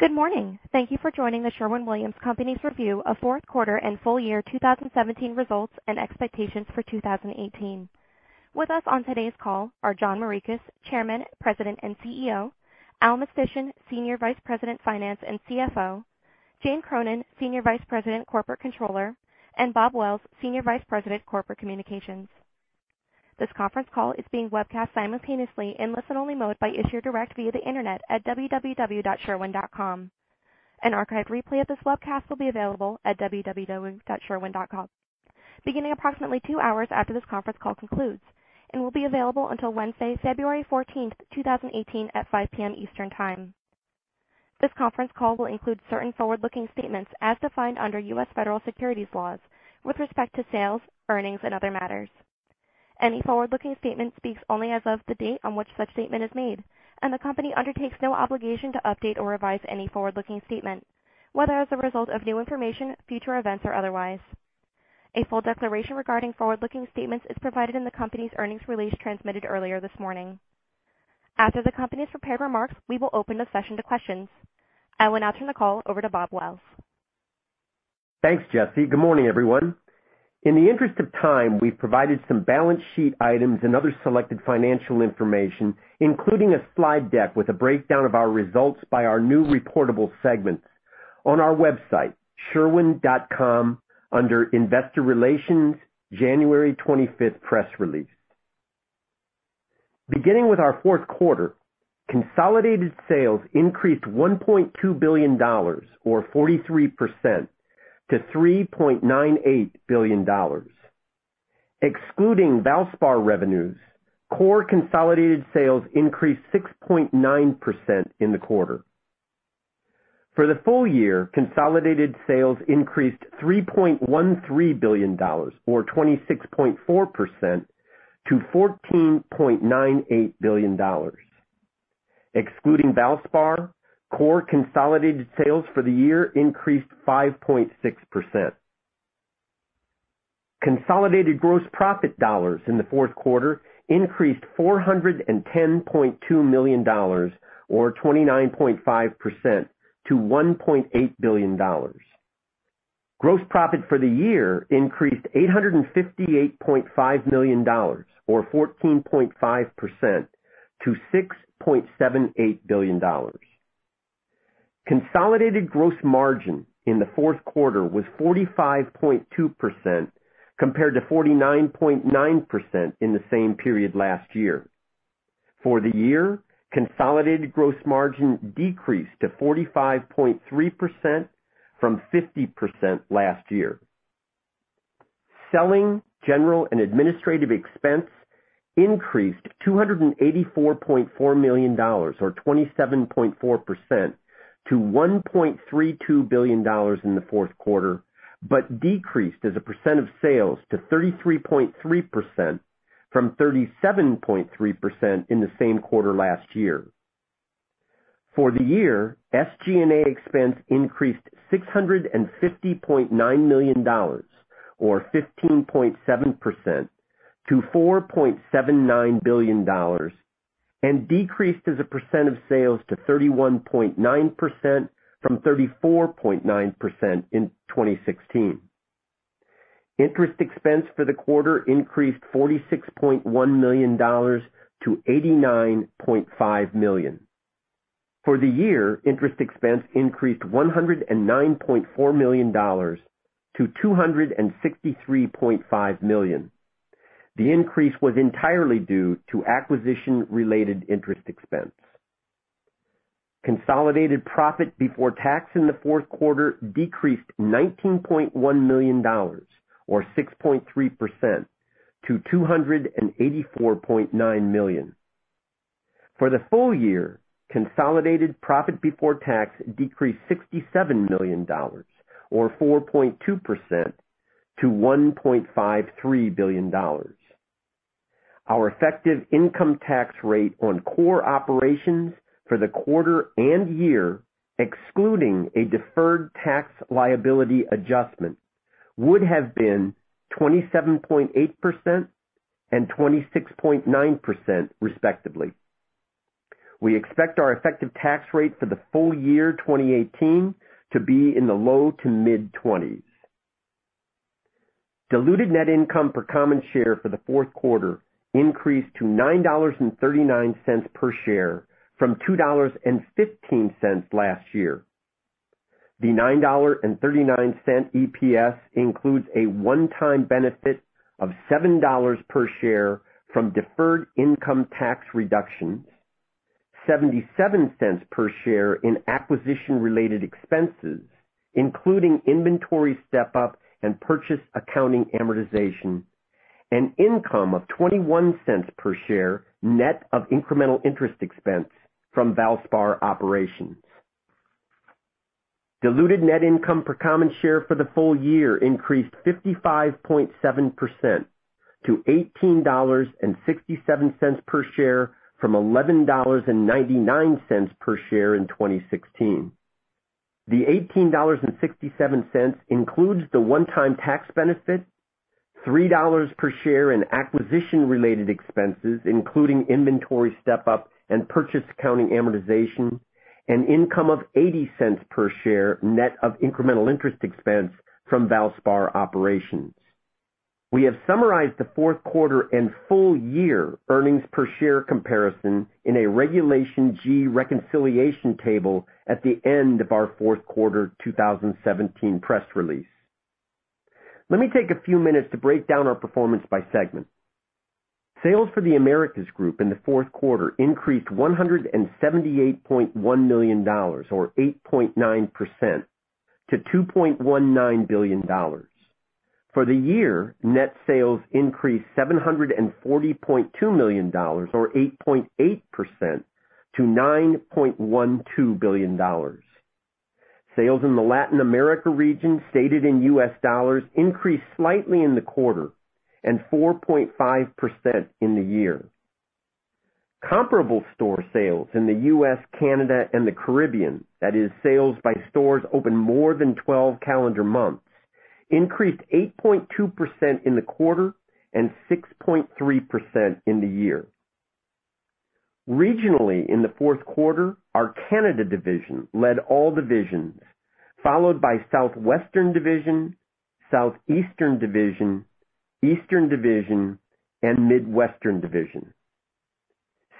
Good morning. Thank you for joining The Sherwin-Williams Company's review of 4th quarter and full year 2017 results and expectations for 2018. With us on today's call are John G. Morikis, Chairman, President, and CEO; Allen J. Mistysyn, Senior Vice President, Finance, and CFO; Jane M. Cronin, Senior Vice President, Corporate Controller; and Robert J. Wells, Senior Vice President, Corporate Communications. This conference call is being webcast simultaneously in listen-only mode by Issuer Direct via the Internet at www.sherwin.com. An archived replay of this webcast will be available at www.sherwin.com beginning approximately two hours after this conference call concludes and will be available until Wednesday, February 14, 2018, at 5:00 P.M. Eastern Time. This conference call will include certain forward-looking statements as defined under U.S. Federal Securities laws with respect to sales, earnings, and other matters. Any forward-looking statement speaks only as of the date on which such statement is made, the company undertakes no obligation to update or revise any forward-looking statement, whether as a result of new information, future events, or otherwise. A full declaration regarding forward-looking statements is provided in the company's earnings release transmitted earlier this morning. After the company's prepared remarks, we will open the session to questions. I will now turn the call over to Bob Wells. Thanks, Jesse. Good morning, everyone. In the interest of time, we've provided some balance sheet items and other selected financial information, including a slide deck with a breakdown of our results by our new reportable segments on our website, sherwin.com, under Investor Relations, January 25th press release. Beginning with our fourth quarter, consolidated sales increased $1.2 billion, or 43%, to $3.98 billion. Excluding Valspar revenues, core consolidated sales increased 6.9% in the quarter. For the full- year, consolidated sales increased $3.13 billion or 26.4% to $14.98 billion. Excluding Valspar, core consolidated sales for the year increased 5.6%. Consolidated gross profit dollars in the fourth quarter increased $410.2 million or 29.5% to $1.8 billion. Gross profit for the year increased $858.5 million or 14.5% to $6.78 billion. Consolidated gross margin in the fourth quarter was 45.2% compared to 49.9% in the same period last year. For the year, consolidated gross margin decreased to 45.3% from 50% last year. Selling, general, and administrative expense increased $284.4 million, or 27.4% to $1.32 billion in the fourth quarter, but decreased as a percent of sales to 33.3% from 37.3% in the same quarter last year. For the year, SG&A expense increased $650.9 million, or 15.7% to $4.79 billion, and decreased as a percent of sales to 31.9% from 34.9% in 2016. Interest expense for the quarter increased $46.1 million to $89.5 million. For the year, interest expense increased $109.4 million to $263.5 million. The increase was entirely due to acquisition-related interest expense. Consolidated profit before tax in the fourth quarter decreased $19.1 million, or 6.3%, to $284.9 million. For the full- year, consolidated profit before tax decreased $67 million, or 4.2%, to $1.53 billion. Our effective income tax rate on core operations for the fourth quarter and year, excluding a deferred tax liability adjustment, would have been 27.8% and 26.9%, respectively. We expect our effective tax rate for the full- year 2018 to be in the low to mid-twenties. Diluted net income per common share for the fourth quarter increased to $9.39 per share from $2.15 last year. The $9.39 EPS includes a one-time benefit of $7 per share from deferred income tax reductions, $0.77 per share in acquisition-related expenses, including inventory step-up and purchase accounting amortization, and income of $0.21 per share, net of incremental interest expense from Valspar operations. Diluted net income per common share for the full- year increased 55.7% to $18.67 per share from $11.99 per share in 2016. The $18.67 includes the one-time tax benefit, $3.00 per share in acquisition-related expenses, including inventory step-up and purchase accounting amortization, and income of $0.80 per share net of incremental interest expense from Valspar operations. We have summarized the fourth quarter and full- year earnings per share comparison in a Regulation G reconciliation table at the end of our fourth quarter 2017 press release. Let me take a few minutes to break down our performance by segment. Sales for The Americas Group in the fourth quarter increased $178.1 million, or 8.9%, to $2.19 billion. For the year, net sales increased $740.2 million or 8.8% to $9.12 billion. Sales in the Latin America region stated in U.S. dollars increased slightly in the quarter and 4.5% in the year. Comparable store sales in the U.S., Canada, and the Caribbean, that is sales by stores open more than 12 calendar months, increased 8.2% in the quarter and 6.3% in the year. Regionally, in the fourth quarter, our Canada division led all divisions, followed by Southwestern Division, Southeastern Division, Eastern Division, and Midwestern Division.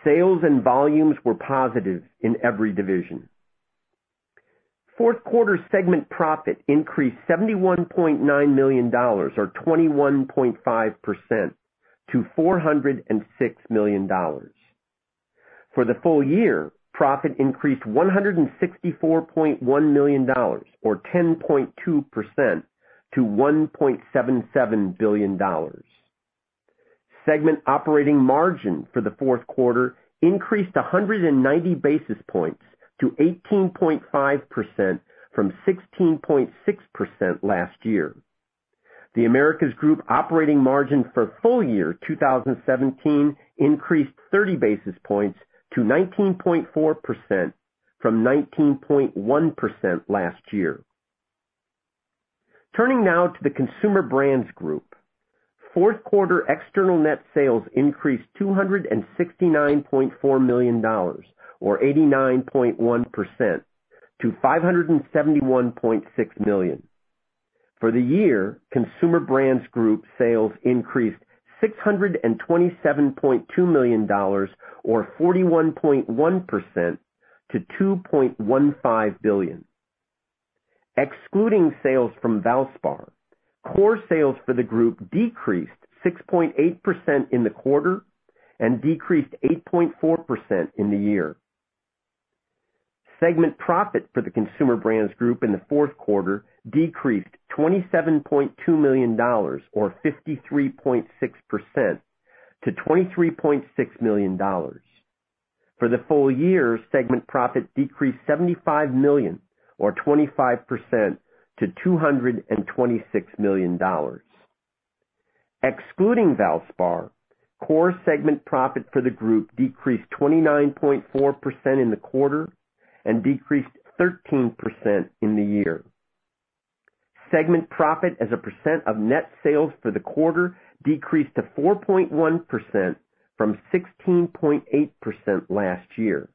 Sales and volumes were positive in every division. Fourth quarter segment profit increased $71.9 million or 21.5% to $406 million. For the full- year, profit increased $164.1 million or 10.2% to $1.77 billion. Segment operating margin for the fourth quarter increased 190 basis points to 18.5% from 16.6% last year. The Americas Group operating margin for full- year 2017 increased 30 basis points to 19.4% from 19.1% last year. Turning now to the Consumer Brands Group. Fourth quarter external net sales increased $269.4 million or 89.1% to $571.6 million. For the year, Consumer Brands Group sales increased $627.2 million or 41.1% to $2.15 billion. Excluding sales from Valspar, core sales for the group decreased 6.8% in the quarter and decreased 8.4% in the year. Segment profit for the Consumer Brands Group in the fourth quarter decreased $27.2 million or 53.6% to $23.6 million. For the full- year, segment profit decreased $75 million or 25% to $226 million. Excluding Valspar, core segment profit for the group decreased 29.4% in the quarter and decreased 13% in the year. Segment profit as a percent of net sales for the quarter decreased to 4.1% from 16.8% last year.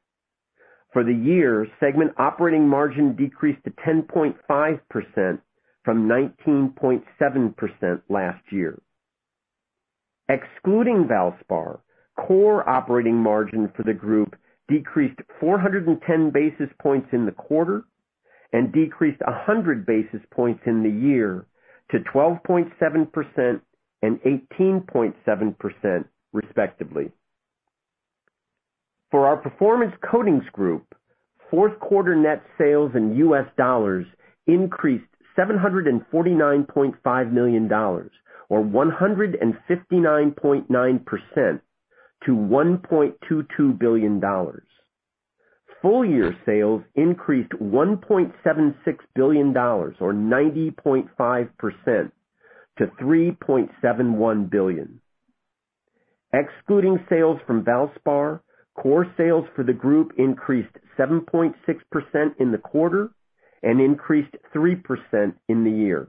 For the year, segment operating margin decreased to 10.5% from 19.7% last year. Excluding Valspar, core operating margin for the group decreased 410 basis points in the quarter and decreased 100 basis points in the year to 12.7% and 18.7%, respectively. For our Performance Coatings Group, fourth quarter net sales in U.S. dollars increased $749.5 million or 159.9% to $1.22 billion. Full -year sales increased $1.76 billion or 90.5% to $3.71 billion. Excluding sales from Valspar, core sales for the group increased 7.6% in the quarter and increased 3% in the year.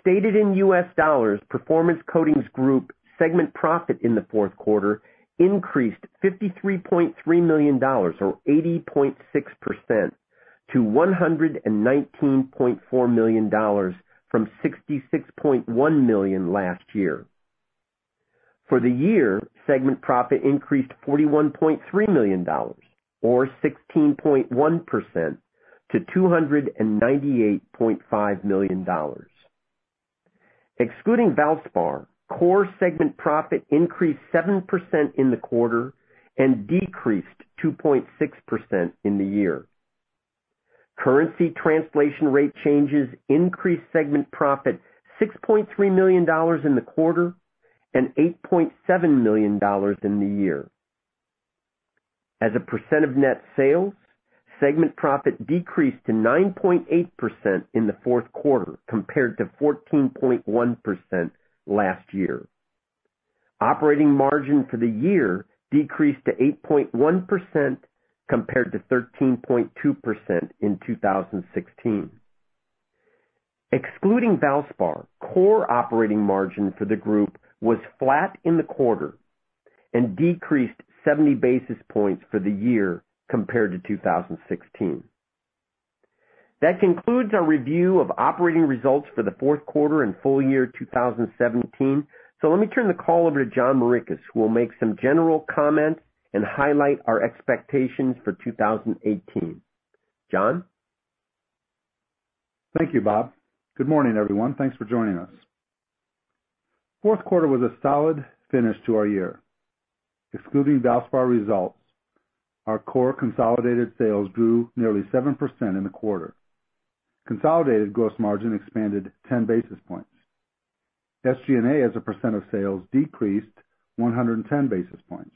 Stated in U.S. dollars, Performance Coatings Group segment profit in the fourth quarter increased $53.3 million or 80.6% to $119.4 million from $66.1 million last year. For the year, segment profit increased $41.3 million or 16.1% to $298.5 million. Excluding Valspar, core segment profit increased 7% in the quarter and decreased 2.6% in the year. Currency translation rate changes increased segment profit $6.3 million in the quarter and $8.7 million in the year. As a percent of net sales, segment profit decreased to 9.8% in the fourth quarter compared to 14.1% last year. Operating margin for the year decreased to 8.1% compared to 13.2% in 2016. Excluding Valspar, core operating margin for the group was flat in the quarter and decreased 70 basis points for the year compared to 2016. That concludes our review of operating results for the fourth quarter and full- year 2017. Let me turn the call over to John Morikis, who will make some general comments and highlight our expectations for 2018. John? Thank you, Bob. Good morning, everyone. Thanks for joining us. Fourth quarter was a solid finish to our year. Excluding Valspar results, our core consolidated sales grew nearly 7% in the quarter. Consolidated gross margin expanded 10 basis points. SG&A as a % of sales decreased 110 basis points.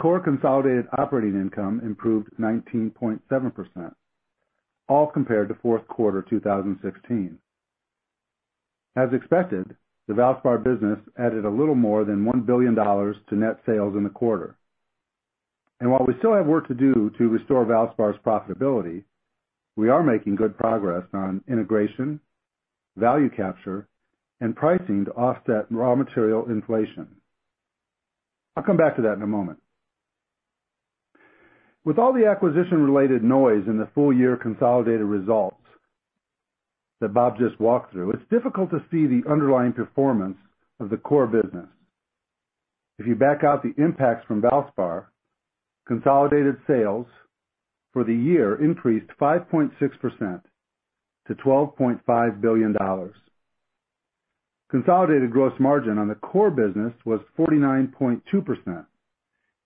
Core consolidated operating income improved 19.7%, all compared to fourth quarter 2016. As expected, the Valspar business added a little more than $1 billion to net sales in the quarter. While we still have work to do to restore Valspar's profitability, we are making good progress on integration, value capture, and pricing to offset raw material inflation. I'll come back to that in a moment. With all the acquisition-related noise in the full- year consolidated results that Bob just walked through, it's difficult to see the underlying performance of the core business. If you back out the impacts from Valspar, consolidated sales for the year increased 5.6% to $12.5 billion. Consolidated gross margin on the core business was 49.2%,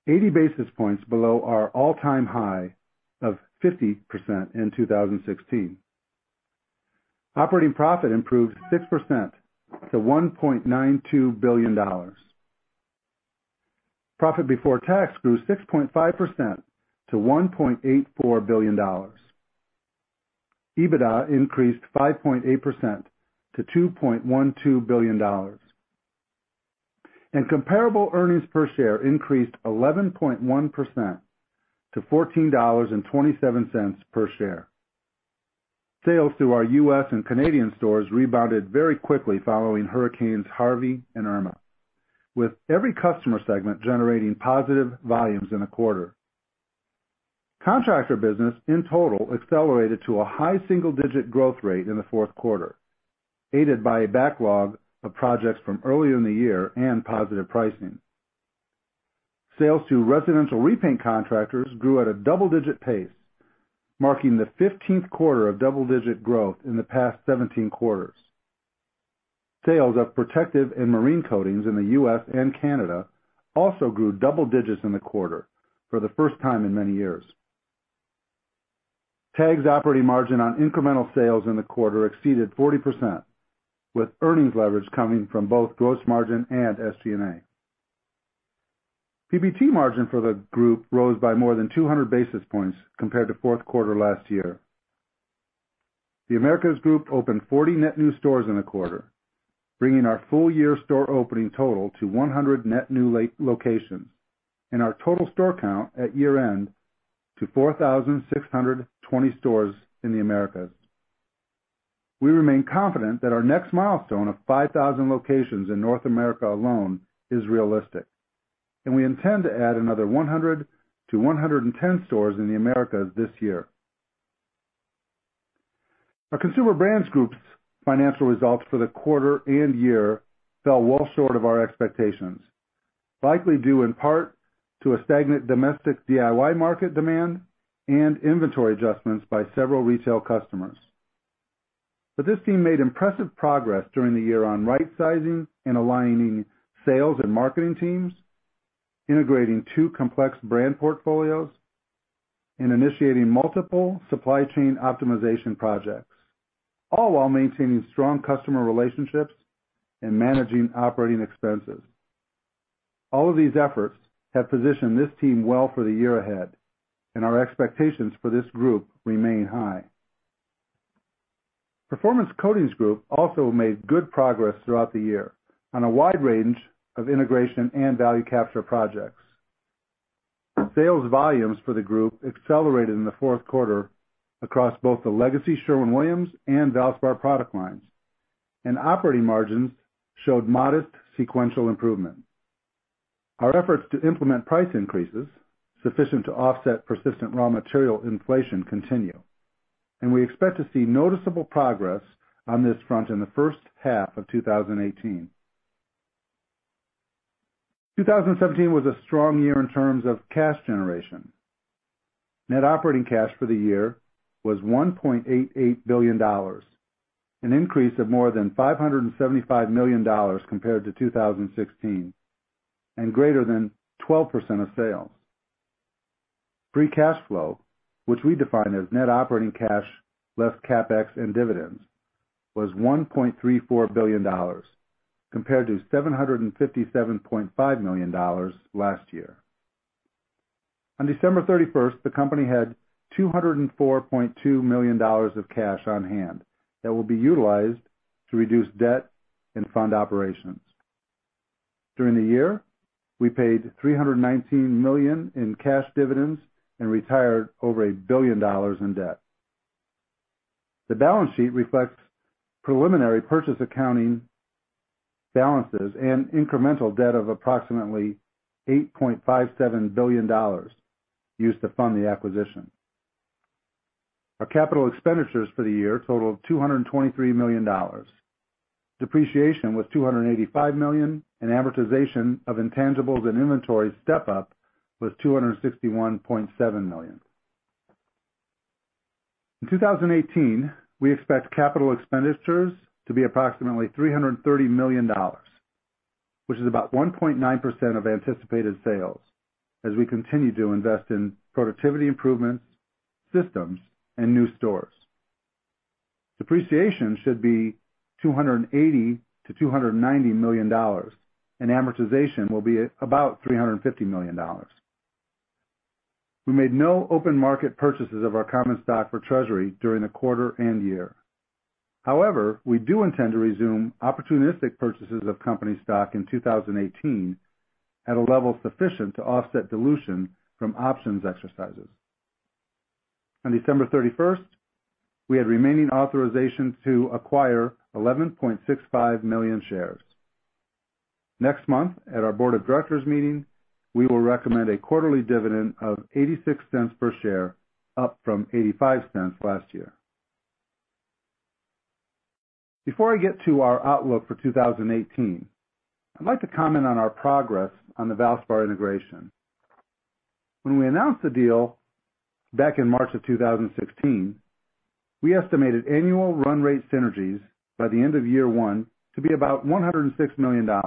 80 basis points below our all-time high of 50% in 2016. Operating profit improved 6% to $1.92 billion. Profit before tax grew 6.5% to $1.84 billion. EBITDA increased 5.8% to $2.12 billion. Comparable earnings per share increased 11.1% to $14.27 per share. Sales through our U.S. and Canadian stores rebounded very quickly following Hurricanes Harvey and Irma, with every customer segment generating positive volumes in a quarter. Contractor business in total accelerated to a high single-digit growth rate in the fourth quarter, aided by a backlog of projects from earlier in the year and positive pricing. Sales to residential repaint contractors grew at a double-digit pace, marking the 15th quarter of double-digit growth in the past 17 quarters. Sales of Protective & Marine Coatings in the U.S. and Canada also grew double digits in the quarter for the first time in many years. TAG's operating margin on incremental sales in the quarter exceeded 40%, with earnings leverage coming from both gross margin and SG&A. PBT margin for the group rose by more than 200 basis points compared to fourth quarter last year. The Americas Group opened 40 net new stores in a quarter, bringing our full-year store opening total to 100 net new locations, and our total store count at year-end to 4,620 stores in the Americas. We remain confident that our next milestone of 5,000 locations in North America alone is realistic, and we intend to add another 100-110 stores in the Americas this year. Our Consumer Brands Group's financial results for the quarter and year fell well short of our expectations, likely due in part to a stagnant domestic DIY market demand and inventory adjustments by several retail customers. This team made impressive progress during the year on right-sizing and aligning sales and marketing teams, integrating two complex brand portfolios, and initiating multiple supply chain optimization projects, all while maintaining strong customer relationships and managing operating expenses. All of these efforts have positioned this team well for the year ahead, and our expectations for this group remain high. Performance Coatings Group also made good progress throughout the year on a wide range of integration and value capture projects. Sales volumes for the group accelerated in the fourth quarter across both the legacy Sherwin-Williams and Valspar product lines, and operating margins showed modest sequential improvement. Our efforts to implement price increases sufficient to offset persistent raw material inflation continue, and we expect to see noticeable progress on this front in the first half of 2018. 2017 was a strong year in terms of cash generation. Net operating cash for the year was $1.88 billion, an increase of more than $575 million compared to 2016, and greater than 12% of sales. Free cash flow, which we define as net operating cash less CapEx and dividends, was $1.34 billion compared to $757.5 million last year. On December 31st, the company had $204.2 million of cash on hand that will be utilized to reduce debt and fund operations. During the year, we paid $319 million in cash dividends and retired over $1 billion in debt. The balance sheet reflects preliminary purchase accounting balances and incremental debt of approximately $8.57 billion used to fund the acquisition. Our capital expenditures for the year totaled $223 million. Depreciation was $285 million, and amortization of intangibles and inventory step up was $261.7 million. In 2018, we expect capital expenditures to be approximately $330 million, which is about 1.9% of anticipated sales as we continue to invest in productivity improvements, systems, and new stores. Depreciation should be $280 million-$290 million, and amortization will be at about $350 million. We made no open market purchases of our common stock for treasury during the quarter and year. We do intend to resume opportunistic purchases of company stock in 2018 at a level sufficient to offset dilution from options exercises. On December 31st, we had remaining authorization to acquire 11.65 million shares. Next month, at our board of directors meeting, we will recommend a quarterly dividend of $0.86 per share, up from $0.85 last year. Before I get to our outlook for 2018, I'd like to comment on our progress on the Valspar integration. When we announced the deal back in March 2016, we estimated annual run rate synergies by the end of year one to be about $106 million. At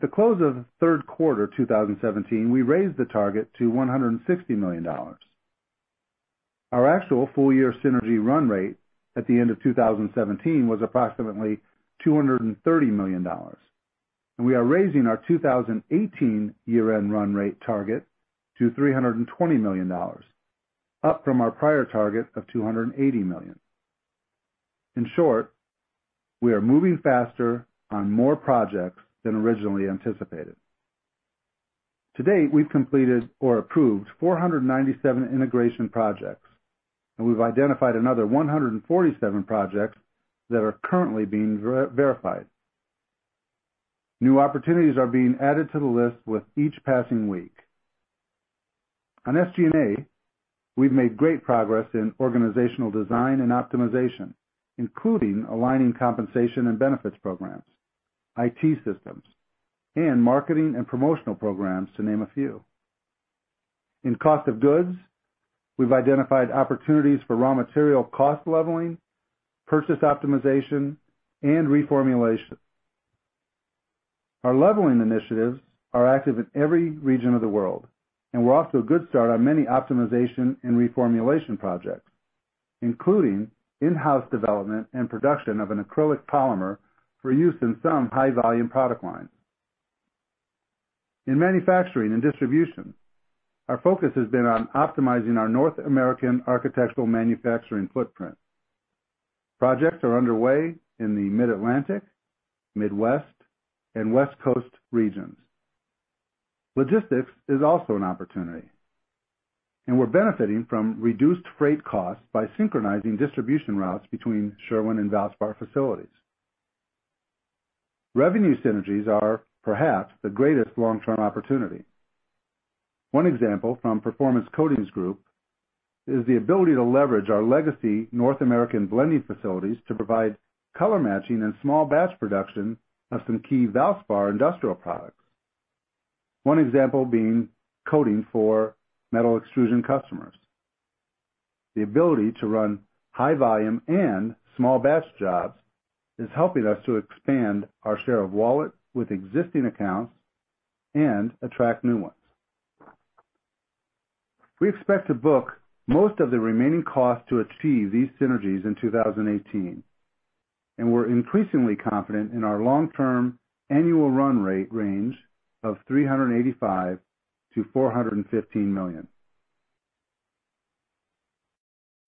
the close of 3rd quarter 2017, we raised the target to $160 million. Our actual full- year synergy run rate at the end of 2017 was approximately $230 million, and we are raising our 2018 year-end run rate target to $320 million, up from our prior target of $280 million. In short, we are moving faster on more projects than originally anticipated. To date, we've completed or approved 497 integration projects. We've identified another 147 projects that are currently being verified. New opportunities are being added to the list with each passing week. On SG&A, we've made great progress in organizational design and optimization, including aligning compensation and benefits programs, IT systems, and marketing and promotional programs, to name a few. In cost of goods, we've identified opportunities for raw material cost leveling, purchase optimization, and reformulation. Our leveling initiatives are active in every region of the world. We're off to a good start on many optimization and reformulation projects, including in-house development and production of an acrylic polymer for use in some high-volume product lines. In manufacturing and distribution, our focus has been on optimizing our North American architectural manufacturing footprint. Projects are underway in the Mid-Atlantic, Midwest, and West Coast regions. Logistics is also an opportunity, and we're benefiting from reduced freight costs by synchronizing distribution routes between Sherwin and Valspar facilities. Revenue synergies are perhaps the greatest long-term opportunity. One example from Performance Coatings Group is the ability to leverage our legacy North American blending facilities to provide color matching and small batch production of some key Valspar industrial products, one example being coating for metal extrusion customers. The ability to run high volume and small batch jobs is helping us to expand our share of wallet with existing accounts and attract new ones. We expect to book most of the remaining costs to achieve these synergies in 2018, and we're increasingly confident in our long-term annual run rate range of $385 million-$415 million.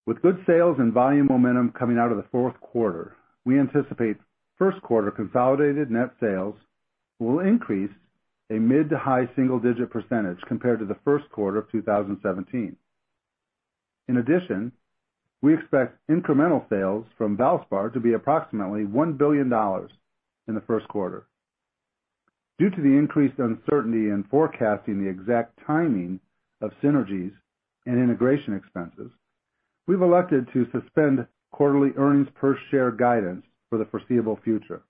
With good sales and volume momentum coming out of the 4th quarter, we anticipate 1st quarter consolidated net sales will increase a mid to high single-digit % compared to the 1st quarter of 2017. In addition, we expect incremental sales from Valspar to be approximately $1 billion in the 1st quarter. Due to the increased uncertainty in forecasting the exact timing of synergies and integration expenses, we've elected to suspend quarterly earnings per share guidance for the foreseeable future.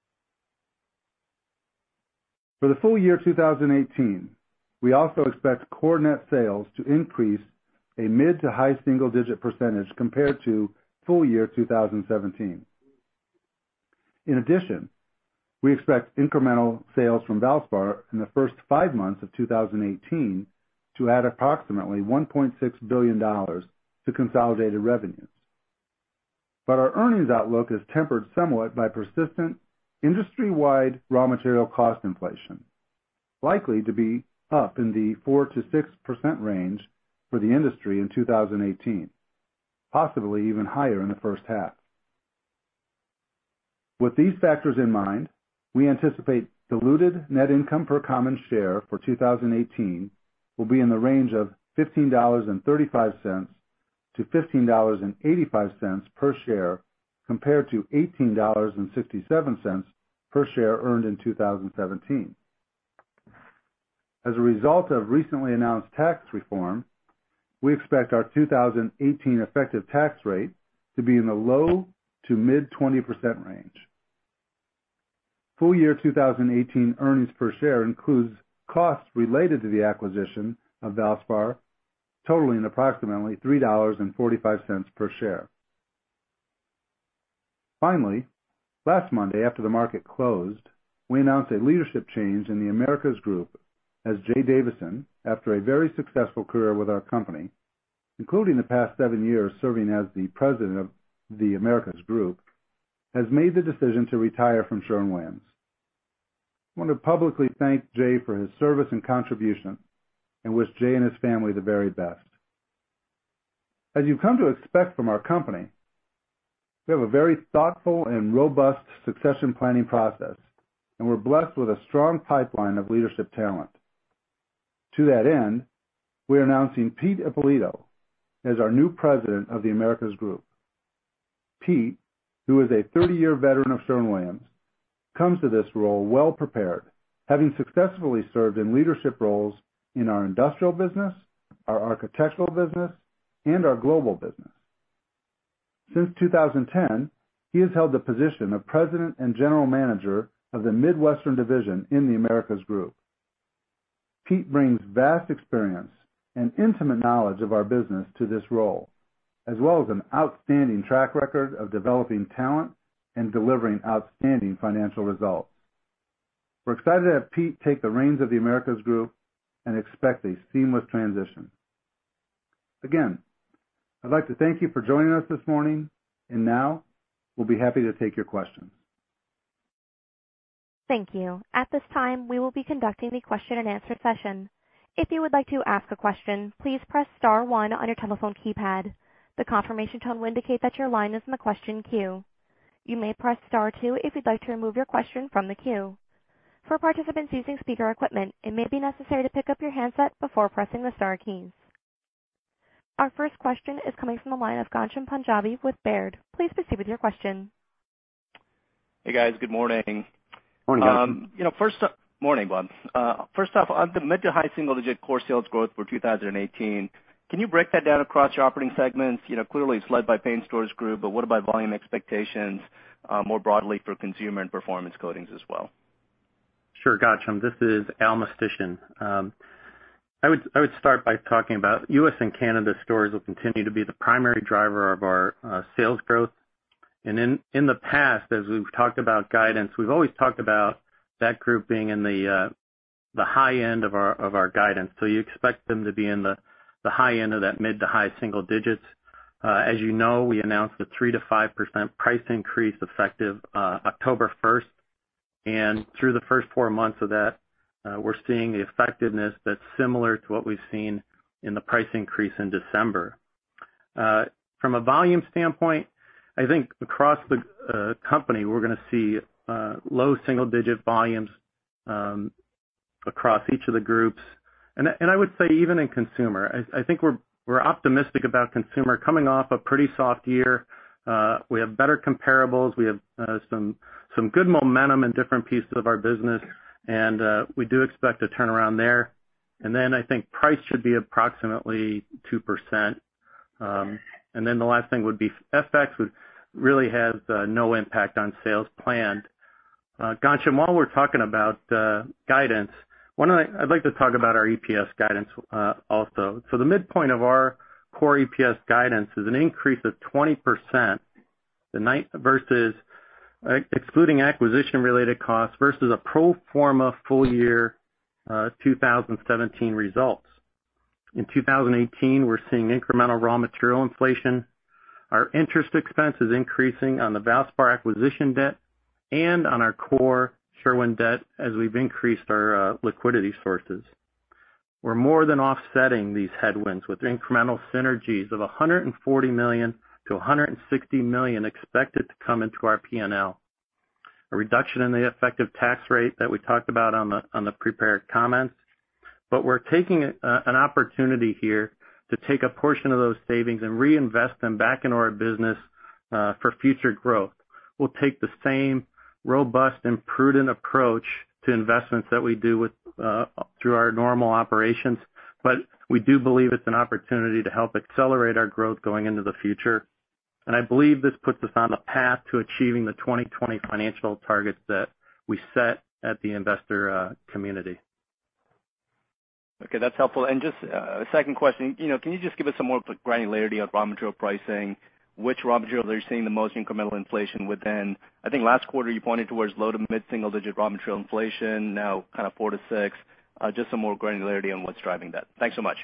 For the full- year 2018, we also expect core net sales to increase a mid to high single-digit % compared to full- year 2017. In addition, we expect incremental sales from Valspar in the first five months of 2018 to add approximately $1.6 billion to consolidated revenues. Our earnings outlook is tempered somewhat by persistent industry-wide raw material cost inflation, likely to be up in the 4%-6% range for the industry in 2018, possibly even higher in the first half. With these factors in mind, we anticipate diluted net income per common share for 2018 will be in the range of $15.35-$15.85 per share, compared to $18.67 per share earned in 2017. As a result of recently announced tax reform, we expect our 2018 effective tax rate to be in the low to mid 20% range. Full- year 2018 earnings per share includes costs related to the acquisition of Valspar, totaling approximately $3.45 per share. Last Monday after the market closed, we announced a leadership change in The Americas Group as Jay Davisson, after a very successful career with our company, including the past seven years serving as the President of The Americas Group, has made the decision to retire from Sherwin-Williams. I want to publicly thank Jay for his service and contribution and wish Jay and his family the very best. As you've come to expect from our company, we have a very thoughtful and robust succession planning process, and we're blessed with a strong pipeline of leadership talent. To that end, we're announcing Peter J. Ippolito as our new President of The Americas Group. Pete, who is a 30-year veteran of Sherwin-Williams, comes to this role well prepared, having successfully served in leadership roles in our industrial business, our architectural business, and our global business. Since 2010, he has held the position of president and general manager of the Midwestern Division in The Americas Group. Pete brings vast experience and intimate knowledge of our business to this role, as well as an outstanding track record of developing talent and delivering outstanding financial results. We're excited to have Pete take the reins of The Americas Group and expect a seamless transition. Again, I'd like to thank you for joining us this morning. Now we'll be happy to take your questions. Thank you. At this time, we will be conducting the question-and-answer session. If you would like to ask a question, please press star one on your telephone keypad. The confirmation tone will indicate that your line is in the question queue. You may press star two if you'd like to remove your question from the queue. For participants using speaker equipment, it may be necessary to pick up your handset before pressing the star keys. Our first question is coming from the line of Ghansham Panjabi with Baird. Please proceed with your question. Hey, guys. Good morning. Morning, Ghansham Panjabi. You know, morning, Bob. First off, on the mid to high single-digit core sales growth for 2018, can you break that down across your operating segments? You know, clearly it's led by Paint Stores Group, what about volume expectations more broadly for Consumer and Performance Coatings as well? Sure, Ghansham Panjabi. This is Allen J. Mistysyn. I would start by talking about U.S. and Canada stores will continue to be the primary driver of our sales growth. In the past, as we've talked about guidance, we've always talked about that group being in the high end of our guidance. You expect them to be in the high end of that mid-to-high single digits. As you know, we announced a 3%-5% price increase effective October first, and through the first four months of that, we're seeing the effectiveness that's similar to what we've seen in the price increase in December. From a volume standpoint, I think across the company, we're gonna see low single-digit volumes across each of the groups. I would say even in consumer, I think we're optimistic about consumer coming off a pretty soft year. We have better comparables. We have some good momentum in different pieces of our business, and we do expect a turnaround there. I think price should be approximately 2%. The last thing would be FX really has no impact on sales planned. Ghansham Panjabi, while we're talking about guidance, I'd like to talk about our EPS guidance also. The midpoint of our core EPS guidance is an increase of 20%, excluding acquisition-related costs versus a pro forma full- year 2017 results. In 2018, we're seeing incremental raw material inflation. Our interest expense is increasing on the Valspar acquisition debt and on our core Sherwin debt as we've increased our liquidity sources. We're more than offsetting these headwinds with incremental synergies of $140 million-$160 million expected to come into our P&L. A reduction in the effective tax rate that we talked about on the, on the prepared comments. We're taking an opportunity here to take a portion of those savings and reinvest them back into our business for future growth. We'll take the same robust and prudent approach to investments that we do with through our normal operations, but we do believe it's an opportunity to help accelerate our growth going into the future. I believe this puts us on the path to achieving the 2020 financial targets that we set at the investor community. Okay, that's helpful. Just a second question. You know, can you just give us some more granularity on raw material pricing? Which raw material are you seeing the most incremental inflation within? I think last quarter you pointed towards low to mid single digit raw material inflation, now kind of 4%-6%. Just some more granularity on what's driving that. Thanks so much.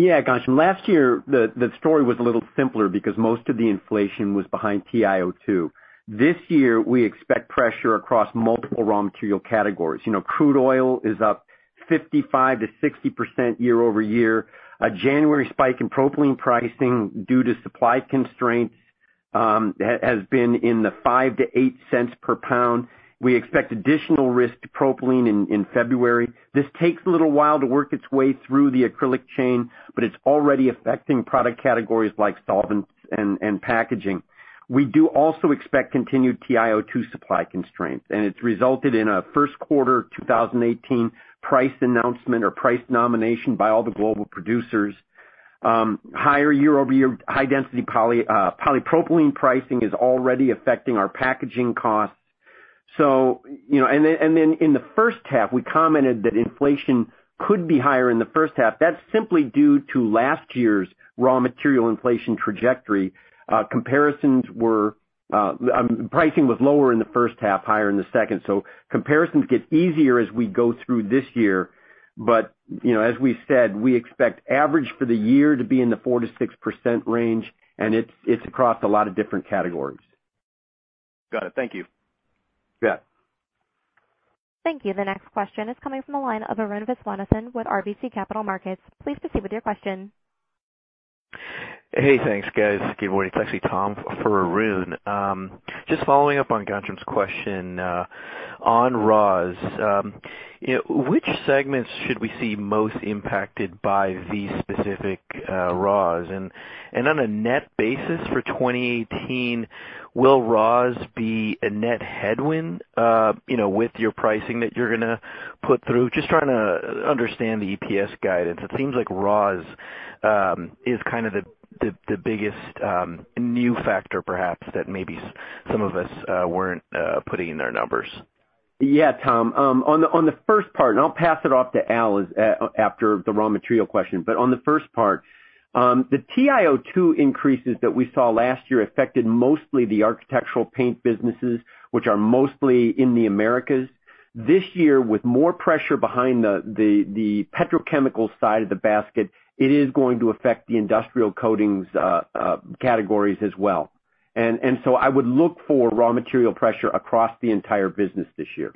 Ghansham, last year the story was a little simpler because most of the inflation was behind TiO2. This year, we expect pressure across multiple raw material categories. You know, crude oil is up 55%-60% year-over-year. A January spike in propylene pricing due to supply constraints has been in the $0.05-$0.08 per pound. We expect additional risk to propylene in February. This takes a little while to work its way through the acrylic chain, but it's already affecting product categories like solvents and packaging. We do also expect continued TiO2 supply constraints, and it's resulted in a 1st quarter 2018 price announcement or price nomination by all the global producers. Higher year-over-year high-density poly, polypropylene pricing is already affecting our packaging costs. You know, in the first half, we commented that inflation could be higher in the first half. That's simply due to last year's raw material inflation trajectory. Comparisons were pricing was lower in the first half, higher in the second. Comparisons get easier as we go through this year. You know, as we said, we expect average for the year to be in the 4%-6% range, and it's across a lot of different categories. Got it. Thank you. Yeah. Thank you. The next question is coming from the line of Arun Viswanathan with RBC Capital Markets. Please proceed with your question. Hey, thanks, guys. Good morning. It's actually Tom for Arun. Just following up on Ghansham Panjabi's question on raws. You know, which segments should we see most impacted by these specific raws? On a net basis for 2018, will raws be a net headwind, you know, with your pricing that you're gonna put through? Just trying to understand the EPS guidance. It seems like raws is kind of the biggest new factor perhaps that maybe some of us weren't putting in our numbers. Yeah, Tom. On the first part, and I'll pass it off to Al after the raw material question. On the first part, the TiO2 increases that we saw last year affected mostly the architectural paint businesses, which are mostly in the Americas. This year, with more pressure behind the petrochemical side of the basket, it is going to affect the industrial coatings categories as well. I would look for raw material pressure across the entire business this year.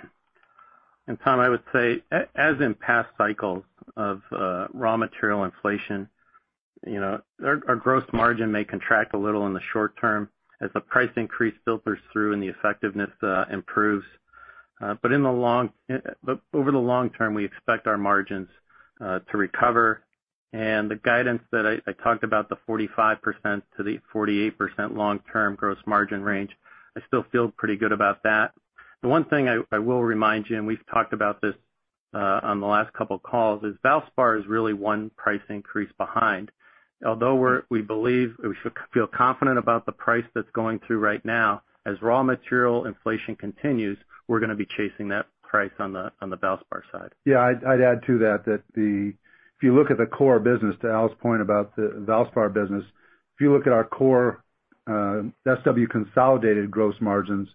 Tom, I would say as in past cycles of raw material inflation, you know, our gross margin may contract a little in the short- term as the price increase filters through and the effectiveness improves. But over the long- term, we expect our margins to recover. The guidance that I talked about, the 45% to 48% long-term gross margin range, I still feel pretty good about that. The one thing I will remind you, and we've talked about this on the last couple of calls, is Valspar is really one price increase behind. Although we're, we believe we should feel confident about the price that's going through right now, as raw material inflation continues, we're gonna be chasing that price on the Valspar side. Yeah. I'd add to that, if you look at the core business, to Al's point about the Valspar business. If you look at our core SW consolidated gross margins,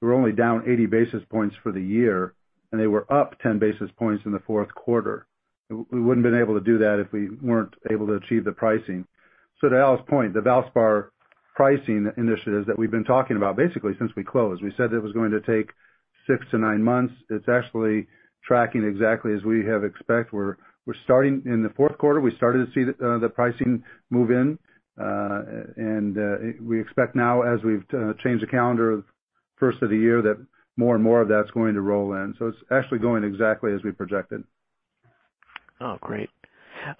we're only down 80 basis points for the year, and they were up 10 basis points in the fourth quarter. We wouldn't been able to do that if we weren't able to achieve the pricing. To Al's point, the Valspar pricing initiatives that we've been talking about basically since we closed. We said it was going to take six to nine months. It's actually tracking exactly as we have expect. We're starting in the fourth quarter. We started to see the pricing move in. We expect now as we've changed the calendar first of the year, that more and more of that's going to roll in. It's actually going exactly as we projected. Oh, great.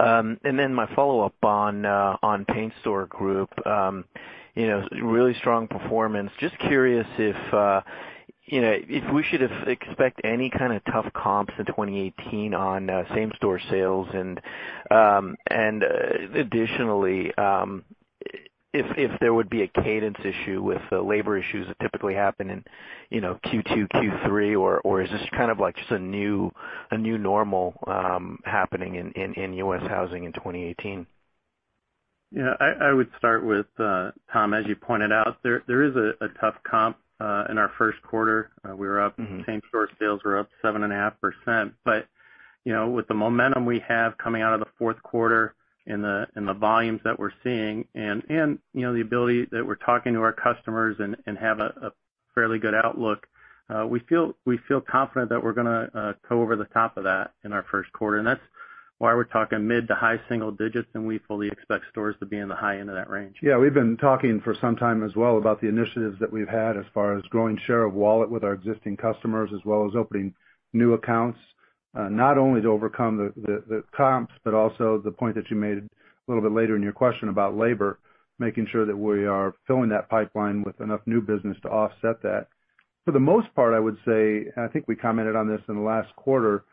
My follow-up on Paint Store Group. You know, really strong performance. Just curious if, you know, if we should expect any kind of tough comps in 2018 on same store sales and, additionally, if there would be a cadence issue with the labor issues that typically happen in, you know, Q2, Q3, or is this kind of like just a new normal happening in U.S. housing in 2018? I would start with, Tom, as you pointed out, there is a tough comp in our first quarter. Same store sales were up 7.5%. You know, with the momentum we have coming out of the fourth quarter and the volumes that we're seeing and, you know, the ability that we're talking to our customers and have a fairly good outlook, we feel confident that we're gonna go over the top of that in our first quarter. That's why we're talking mid to high single digits, and we fully expect stores to be in the high end of that range. Yeah. We've been talking for some time as well about the initiatives that we've had as far as growing share of wallet with our existing customers, as well as opening new accounts, not only to overcome the comps, but also the point that you made a little bit later in your question about labor, making sure that we are filling that pipeline with enough new business to offset that. For the most part, I would say, and I think we commented on this in the last quarter,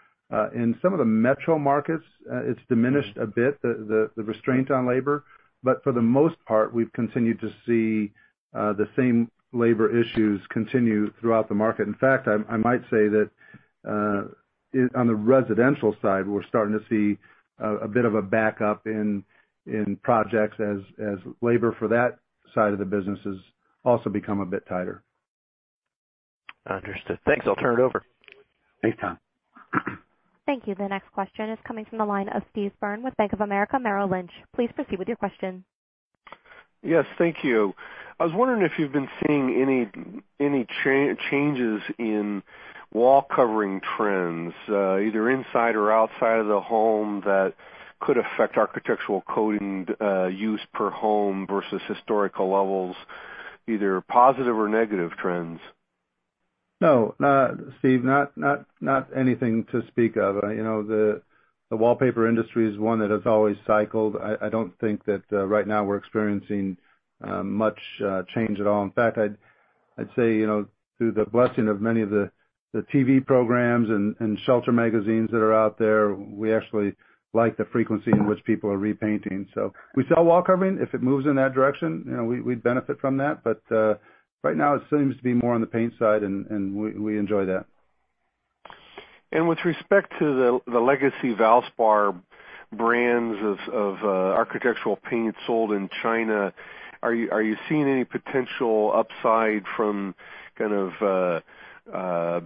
in some of the metro markets, it's diminished a bit, the restraint on labor. For the most part, we've continued to see the same labor issues continue throughout the market. In fact, I might say that on the residential side, we're starting to see a bit of a backup in projects as labor for that side of the business has also become a bit tighter. Understood. Thanks. I'll turn it over. Anytime. Thank you. The next question is coming from the line of Steve Byrne with Bank of America Merrill Lynch. Please proceed with your question. Yes, thank you. I was wondering if you've been seeing any changes in wall covering trends, either inside or outside of the home that could affect architectural coating use per home versus historical levels, either positive or negative trends. No, Steve, not anything to speak of. You know, the wallpaper industry is one that has always cycled. I don't think that right now we're experiencing much change at all. In fact, I'd say, you know, through the blessing of many of the TV programs and shelter magazines that are out there, we actually like the frequency in which people are repainting. We sell wall covering. If it moves in that direction, you know, we'd benefit from that. Right now it seems to be more on the paint side, and we enjoy that. With respect to the legacy Valspar brands of architectural paint sold in China, are you seeing any potential upside from kind of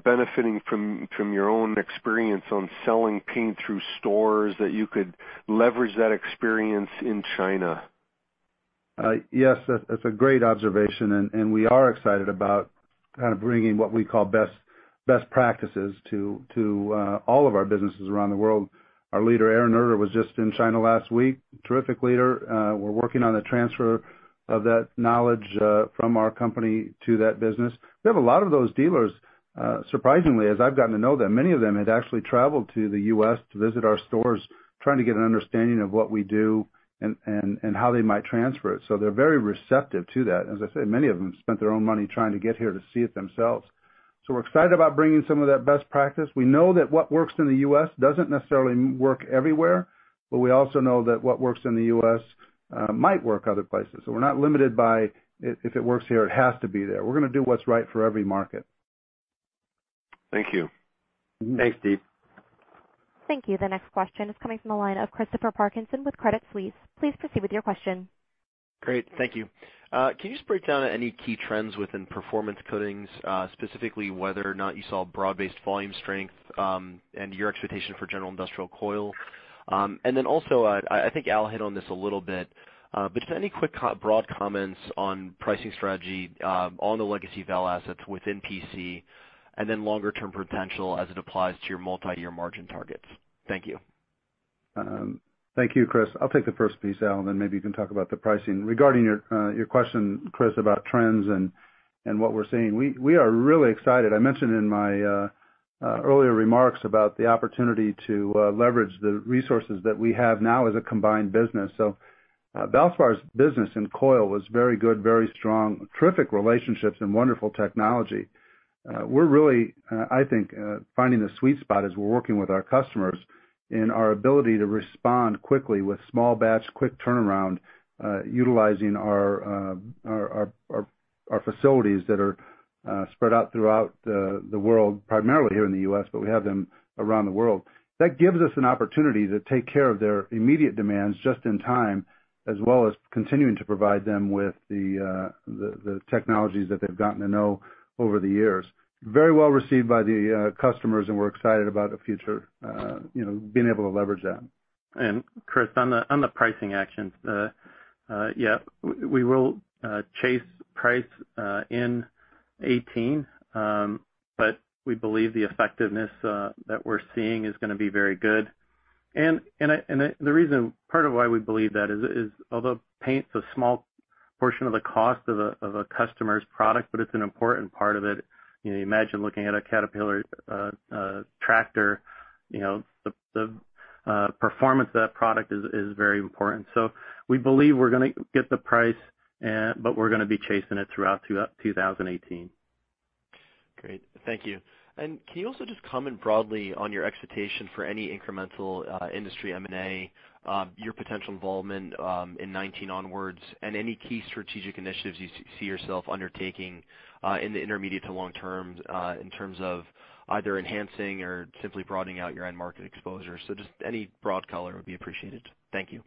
benefiting from your own experience on selling paint through stores that you could leverage that experience in China? Yes, that's a great observation. We are excited about kind of bringing what we call best practices to all of our businesses around the world. Our leader, Aaron M. Erter, was just in China last week. Terrific leader. We're working on the transfer of that knowledge from our company to that business. We have a lot of those dealers. Surprisingly, as I've gotten to know them, many of them had actually traveled to the U.S. to visit our stores, trying to get an understanding of what we do and how they might transfer it. They're very receptive to that. As I said, many of them spent their own money trying to get here to see it themselves. We're excited about bringing some of that best practice. We know that what works in the U.S. doesn't necessarily work everywhere. We also know that what works in the U.S. might work other places. We're not limited by if it works here, it has to be there. We're gonna do what's right for every market. Thank you. Thanks, Steve. Thank you. The next question is coming from the line of Christopher Parkinson with Credit Suisse. Please proceed with your question. Great. Thank you. Can you just break down any key trends within Performance Coatings, specifically, whether or not you saw broad-based volume strength, and your expectation for general industrial coil? Then also, I think Al hit on this a little bit, but just any quick broad comments on pricing strategy, on the legacy Val assets within PC and then longer- term potential as it applies to your multi-year margin targets. Thank you. Thank you, Chris. I'll take the first piece, Al, and then maybe you can talk about the pricing. Regarding your question, Chris, about trends and what we're seeing, we are really excited. I mentioned in my earlier remarks about the opportunity to leverage the resources that we have now as a combined business. Valspar's business in coil was very good, very strong, terrific relationships and wonderful technology. We're really, I think, finding the sweet spot as we're working with our customers in our ability to respond quickly with small batch quick turnaround, utilizing our facilities that are spread out throughout the world, primarily here in the U.S., but we have them around the world. That gives us an opportunity to take care of their immediate demands just in time, as well as continuing to provide them with the technologies that they've gotten to know over the years. Very well received by the customers, we're excited about the future, you know, being able to leverage that. Chris, on the pricing actions, we will chase price in 2018. We believe the effectiveness that we're seeing is gonna be very good. The reason part of why we believe that is although paint's a small portion of the cost of a customer's product, but it's an important part of it. You know, you imagine looking at a Caterpillar tractor, you know, the performance of that product is very important. We believe we're gonna get the price, but we're gonna be chasing it throughout 2018. Great. Thank you. Can you also just comment broadly on your expectation for any incremental industry M and A, your potential involvement in 2019 onwards, and any key strategic initiatives you see yourself undertaking in the intermediate to long- term in terms of either enhancing or simply broadening out your end market exposure? Just any broad color would be appreciated. Thank you.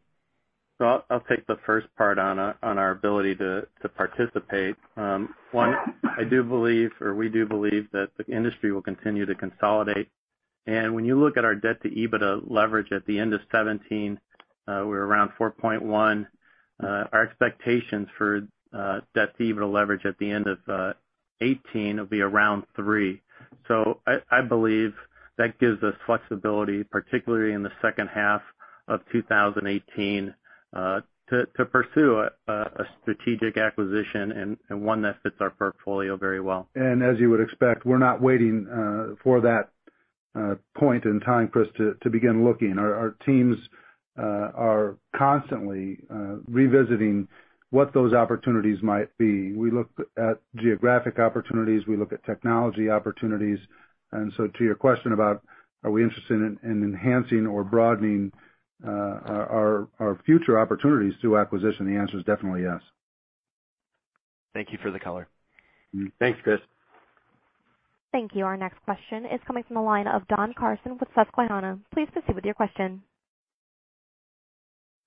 I'll take the first part on our ability to participate. One, I do believe, or we do believe that the industry will continue to consolidate. When you look at our Debt-to-EBITDA leverage at the end of 2017, we're around 4.1. Our expectations for Debt-to-EBITDA leverage at the end of 2018 will be around three. I believe that gives us flexibility, particularly in the second half of 2018, to pursue a strategic acquisition and one that fits our portfolio very well. As you would expect, we're not waiting for that point in time for us to begin looking. Our teams are constantly revisiting what those opportunities might be. We look at geographic opportunities, we look at technology opportunities. So to your question about are we interested in enhancing or broadening our future opportunities through acquisition, the answer is definitely yes. Thank you for the color. Thanks, Chris. Thank you. Our next question is coming from the line of Don Carson with Susquehanna. Please proceed with your question.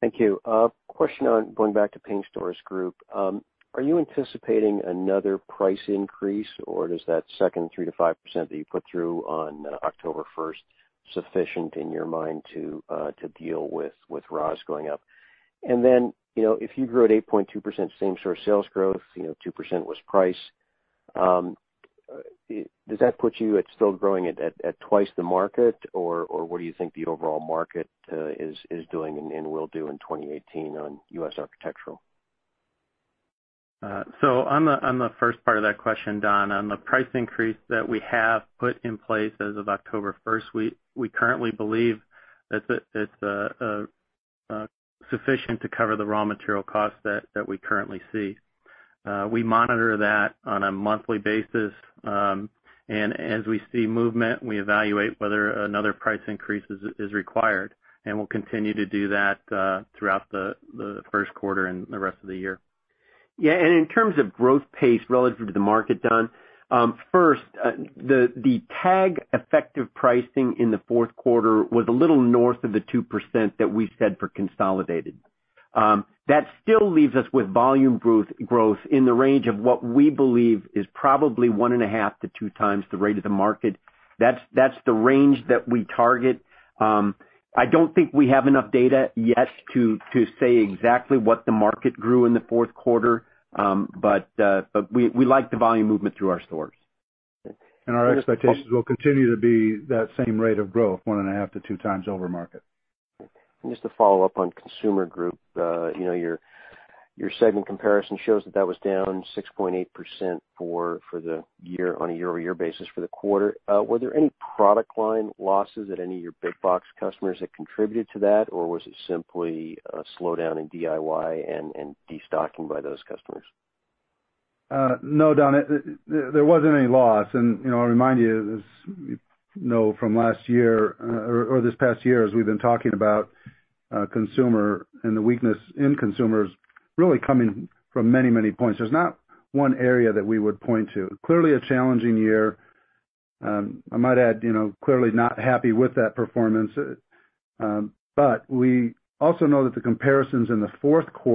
Thank you. Question on going back to Paint Stores Group? Are you anticipating another price increase, or does that second 3%-5% that you put through on October 1st sufficient in your mind to deal with raw materials going up? Then, you know, if you grew at 8.2% same store sales growth, you know, 2% was price, does that put you at still growing at twice the market? What do you think the overall market is doing and will do in 2018 on U.S. Architectural? On the first part of that question, Don, on the price increase that we have put in place as of October first, we currently believe that it's sufficient to cover the raw material costs that we currently see. We monitor that on a monthly basis, and as we see movement, we evaluate whether another price increase is required, and we'll continue to do that throughout the first quarter and the rest of the year. Yeah. In terms of growth pace relative to the market, Don, first, the TAG effective pricing in the fourth quarter was a little north of the 2% that we said for consolidated. That still leaves us with volume growth in the range of what we believe is probably 1.5 to two times the rate of the market. That's the range that we target. I don't think we have enough data yet to say exactly what the market grew in the fourth quarter. We like the volume movement through our stores. Our expectations will continue to be that same rate of growth, one and a half to two times over market. Just to follow up on Consumer Group, you know, your segment comparison shows that that was down 6.8% for the year on a year-over-year basis for the quarter. Were there any product line losses at any of your big box customers that contributed to that? Was it simply a slowdown in DIY and destocking by those customers? No, Don, there wasn't any loss. You know, I remind you, as you know from last year, or this past year, as we've been talking about, consumer and the weakness in consumers really coming from many points. There's not one area that we would point to. Clearly a challenging year. I might add, you know, clearly not happy with that performance. We also know that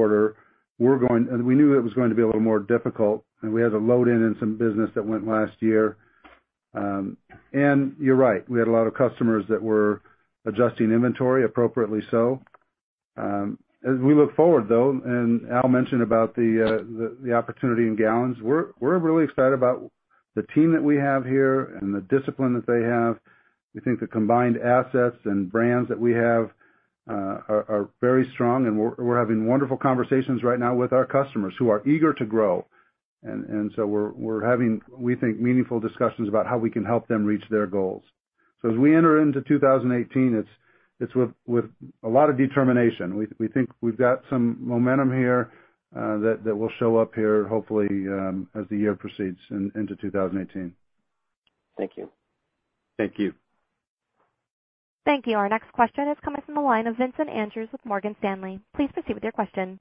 we knew it was going to be a little more difficult, and we had to load in some business that went last year. You're right, we had a lot of customers that were adjusting inventory appropriately so. As we look forward, though, Al mentioned about the opportunity in gallons, we're really excited about the team that we have here and the discipline that they have. We think the combined assets and brands that we have are very strong, we're having wonderful conversations right now with our customers who are eager to grow. We're having, we think, meaningful discussions about how we can help them reach their goals. As we enter into 2018, it's with a lot of determination. We think we've got some momentum here that will show up here hopefully as the year proceeds into 2018. Thank you. Thank you. Thank you. Our next question is coming from the line of Vincent Andrews with Morgan Stanley. Please proceed with your question.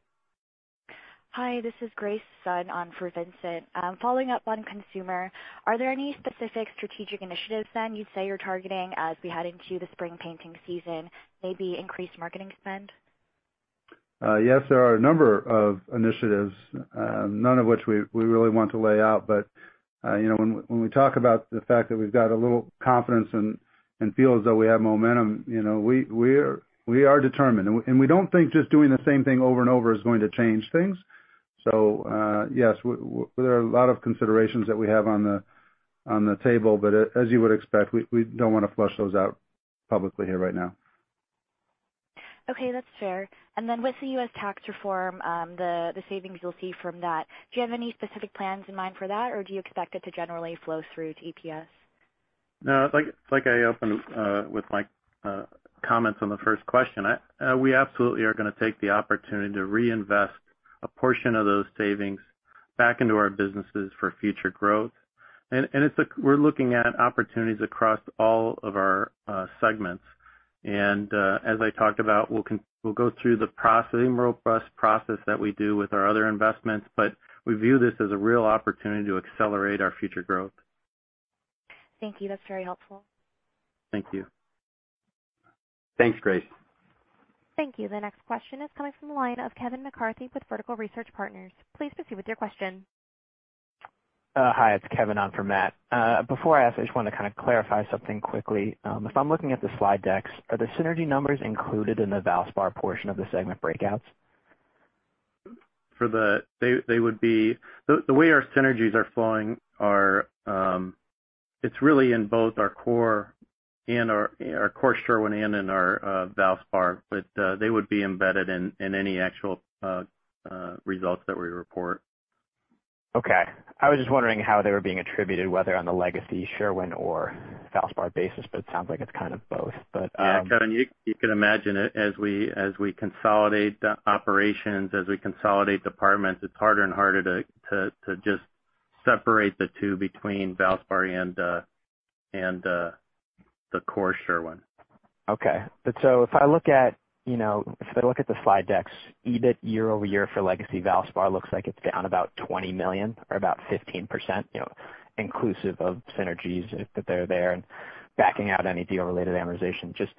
Hi, this is Grace Chen on for Vincent. Following up on Consumer, are there any specific strategic initiatives then you'd say you're targeting as we head into the spring painting season, maybe increased marketing spend? Yes, there are a number of initiatives, none of which we really want to lay out. You know, when we talk about the fact that we've got a little confidence and feel as though we have momentum, you know, we are determined. We don't think just doing the same thing over and over is going to change things. Yes, there are a lot of considerations that we have on the table, but as you would expect, we don't wanna flush those out publicly here right now. Okay. That's fair. With the U.S. tax reform, the savings you'll see from that, do you have any specific plans in mind for that, or do you expect it to generally flow through to EPS? No. Like I opened with my comments on the first question, we absolutely are gonna take the opportunity to reinvest a portion of those savings back into our businesses for future growth. We're looking at opportunities across all of our segments. As I talked about, we'll go through the robust process that we do with our other investments, but we view this as a real opportunity to accelerate our future growth. Thank you. That is very helpful. Thank you. Thanks, Grace. Thank you. The next question is coming from the line of Kevin McCarthy with Vertical Research Partners. Please proceed with your question. Hi, it's Kevin on for Matt. Before I ask, I just wanted to kind of clarify something quickly. If I'm looking at the slide decks, are the synergy numbers included in the Valspar portion of the segment breakouts? The way our synergies are flowing are, it's really in both our core and our core Sherwin and in our Valspar, but they would be embedded in any actual results that we report. Okay. I was just wondering how they were being attributed, whether on the legacy Sherwin or Valspar basis. It sounds like it's kind of both. Yeah. Kevin, you can imagine it. As we consolidate the operations, as we consolidate departments, it's harder and harder to just separate the two between Valspar and the core Sherwin. Okay. If I look at, you know, if I look at the slide decks, EBIT year-over-year for legacy Valspar looks like it's down about $20 million or about 15%, you know, inclusive of synergies if they're there and backing out any deal-related amortization. Just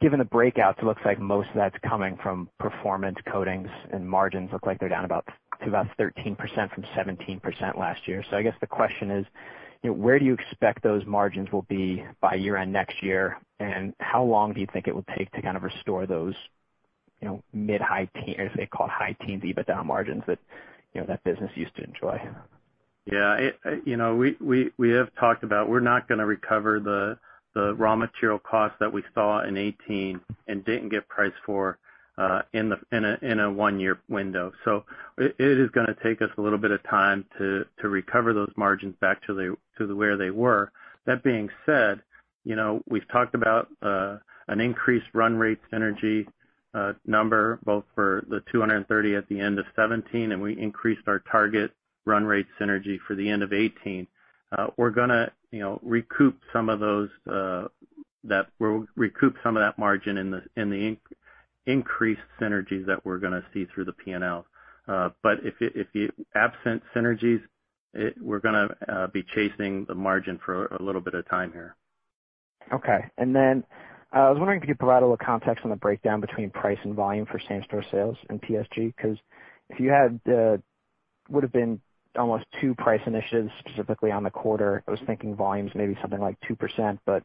Given the breakouts, it looks like most of that's coming from Performance Coatings and margins look like they're down to about 13% from 17% last year. I guess the question is, you know, where do you expect those margins will be by year-end next year? How long do you think it will take to kind of restore those, you know, mid-high teen or say call it high teens EBITDA margins that, you know, that business used to enjoy? Yeah, it, you know, we have talked about we're not going to recover the raw material costs that we saw in 2018 and didn't get priced for in a one-year window. It is going to take us a little bit of time to recover those margins back to the way they were. That being said, you know, we've talked about an increased run rate synergy number both for the 230 at the end of 2017, and we increased our target run rate synergy for the end of 2018. We're going to, you know, recoup some of those, we'll recoup some of that margin in the increased synergies that we're going to see through the P&L. If it, absent synergies, we're gonna be chasing the margin for a little bit of time here. Okay. I was wondering if you could provide a little context on the breakdown between price and volume for same-store sales in PSG, 'cause if you had, would've been almost two price initiatives specifically on the quarter, I was thinking volumes may be something like 2%, but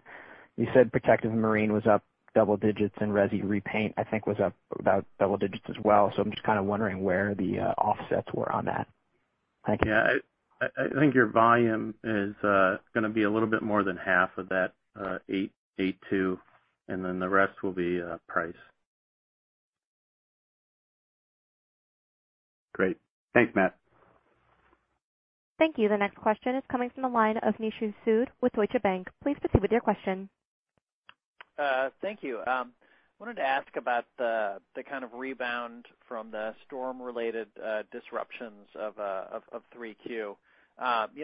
you said Protective & Marine was up double digits and resi repaint, I think, was up about double digits as well. I'm just kinda wondering where the offsets were on that. Thank you. Yeah. I think your volume is gonna be a little bit more than half of that 8.2%, and then the rest will be price. Great. Thanks, Matt. Thank you. The next question is coming from the line of Nishu Sood with Deutsche Bank. Please proceed with your question. Thank you. wanted to ask about the kind of rebound from the storm-related disruptions of 3Q. You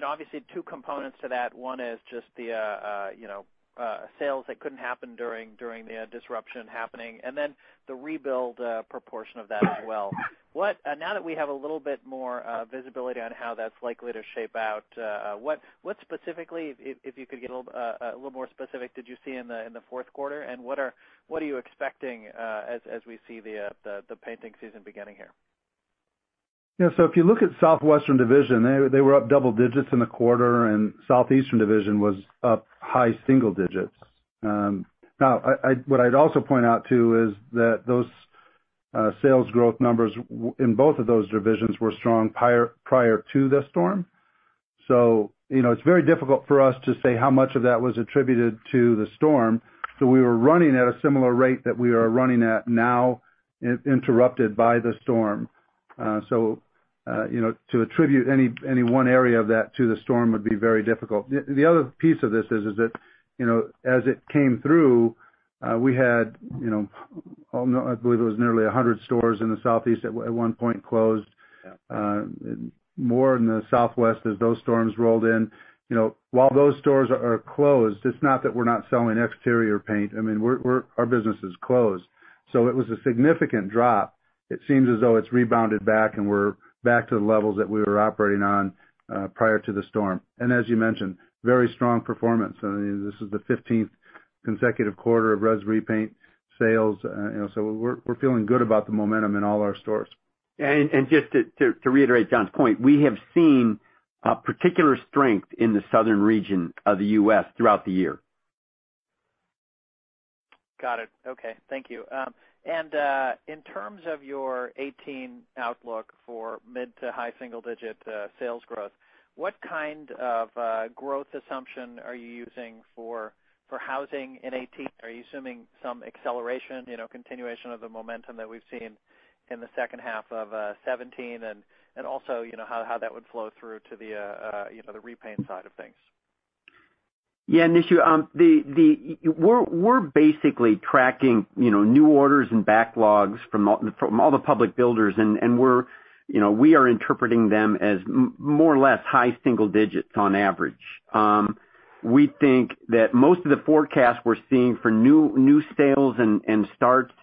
know, obviously two components to that. One is just the, you know, sales that couldn't happen during the disruption happening, and then the rebuild proportion of that as well. Now that we have a little bit more visibility on how that's likely to shape out, what specifically, if you could get a little more specific, did you see in the fourth quarter? What are you expecting as we see the painting season beginning here? If you look at Southwestern Division, they were up double digits in the quarter, and Southeastern Division was up high single digits. Now what I'd also point out, too, is that those sales growth numbers in both of those divisions were strong prior to the storm. You know, it's very difficult for us to say how much of that was attributed to the storm. We were running at a similar rate that we are running at now, interrupted by the storm. You know, to attribute any one area of that to the storm would be very difficult. The other piece of this is that, you know, as it came through, we had, you know, I believe it was nearly 100 stores in the Southeast at one point closed. Yeah. More in the Southwest as those storms rolled in. You know, while those stores are closed, it's not that we're not selling exterior paint. I mean, our business is closed. It was a significant drop. It seems as though it's rebounded back, and we're back to the levels that we were operating on prior to the storm. As you mentioned, very strong performance. I mean, this is the fifteenth consecutive quarter of res repaint sales. You know, we're feeling good about the momentum in all our stores. Just to reiterate John's point, we have seen a particular strength in the southern region of the U.S. throughout the year. Got it. Okay. Thank you. In terms of your 2018 outlook for mid-to-high single-digit sales growth, what kind of growth assumption are you using for housing in 2018? Are you assuming some acceleration, you know, continuation of the momentum that we've seen in the second half of 2017, and also, you know, how that would flow through to the, you know, the repaint side of things? Nishu, we're basically tracking, you know, new orders and backlogs from all the public builders, and we're, you know, we are interpreting them as more or less high single digits on average. We think that most of the forecast we're seeing for new sales and starts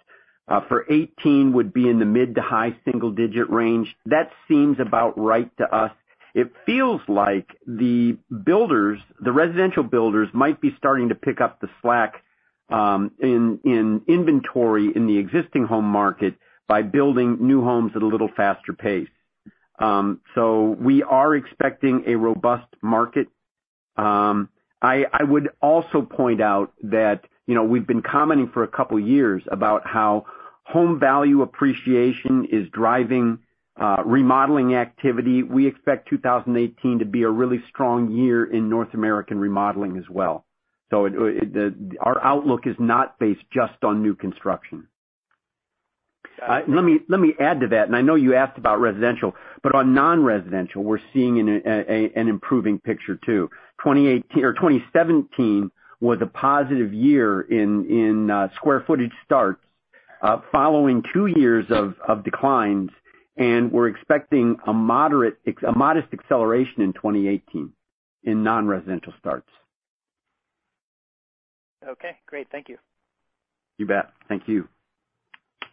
for 2018 would be in the mid to high single digit range. That seems about right to us. It feels like the builders, the residential builders might be starting to pick up the slack in inventory in the existing home market by building new homes at a little faster pace. We are expecting a robust market. I would also point out that, you know, we've been commenting for two years about how home value appreciation is driving remodeling activity. We expect 2018 to be a really strong year in North American remodeling as well. Our outlook is not based just on new construction. Let me add to that, I know you asked about residential, but on non-residential, we're seeing an improving picture too. 2018 or 2017 was a positive year in square footage starts, following two years of declines, we're expecting a modest acceleration in 2018 in non-residential starts. Okay, great. Thank you. You bet. Thank you.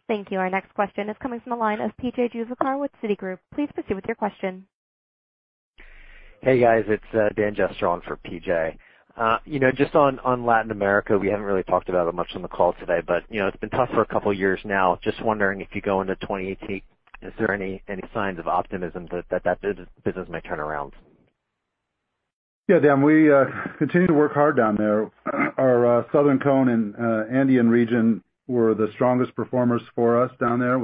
Thank you. Our next question is coming from the line of P.J. Juvekar with Citigroup. Please proceed with your question. Hey guys, it's Dan Jester on for PJ. You know, just on Latin America, we haven't really talked about it much on the call today, but, you know, it's been tough for a couple years now. Just wondering if you go into 2018, is there any signs of optimism that business may turn around? Yeah, Dan, we continue to work hard down there. Our Southern Cone and Andean region were the strongest performers for us down there.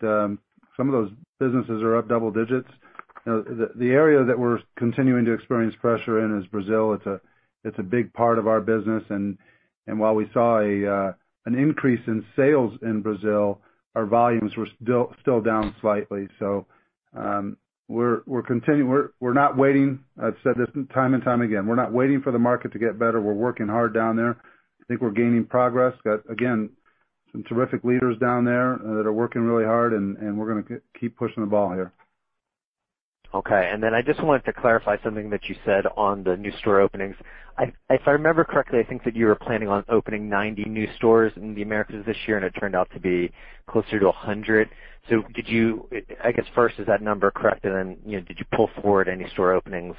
Some of those businesses are up double digits. The area that we're continuing to experience pressure in is Brazil. It's a big part of our business, and while we saw an increase in sales in Brazil, our volumes were still down slightly. We're continuing. We're not waiting. I've said this time and time again. We're not waiting for the market to get better. We're working hard down there. I think we're gaining progress. Got, again, some terrific leaders down there that are working really hard, and we're gonna keep pushing the ball here. Okay. I just wanted to clarify something that you said on the new store openings. If I remember correctly, I think that you were planning on opening 90 new stores in the Americas this year, and it turned out to be closer to 100. I guess first, is that number correct? You know, did you pull forward any store openings?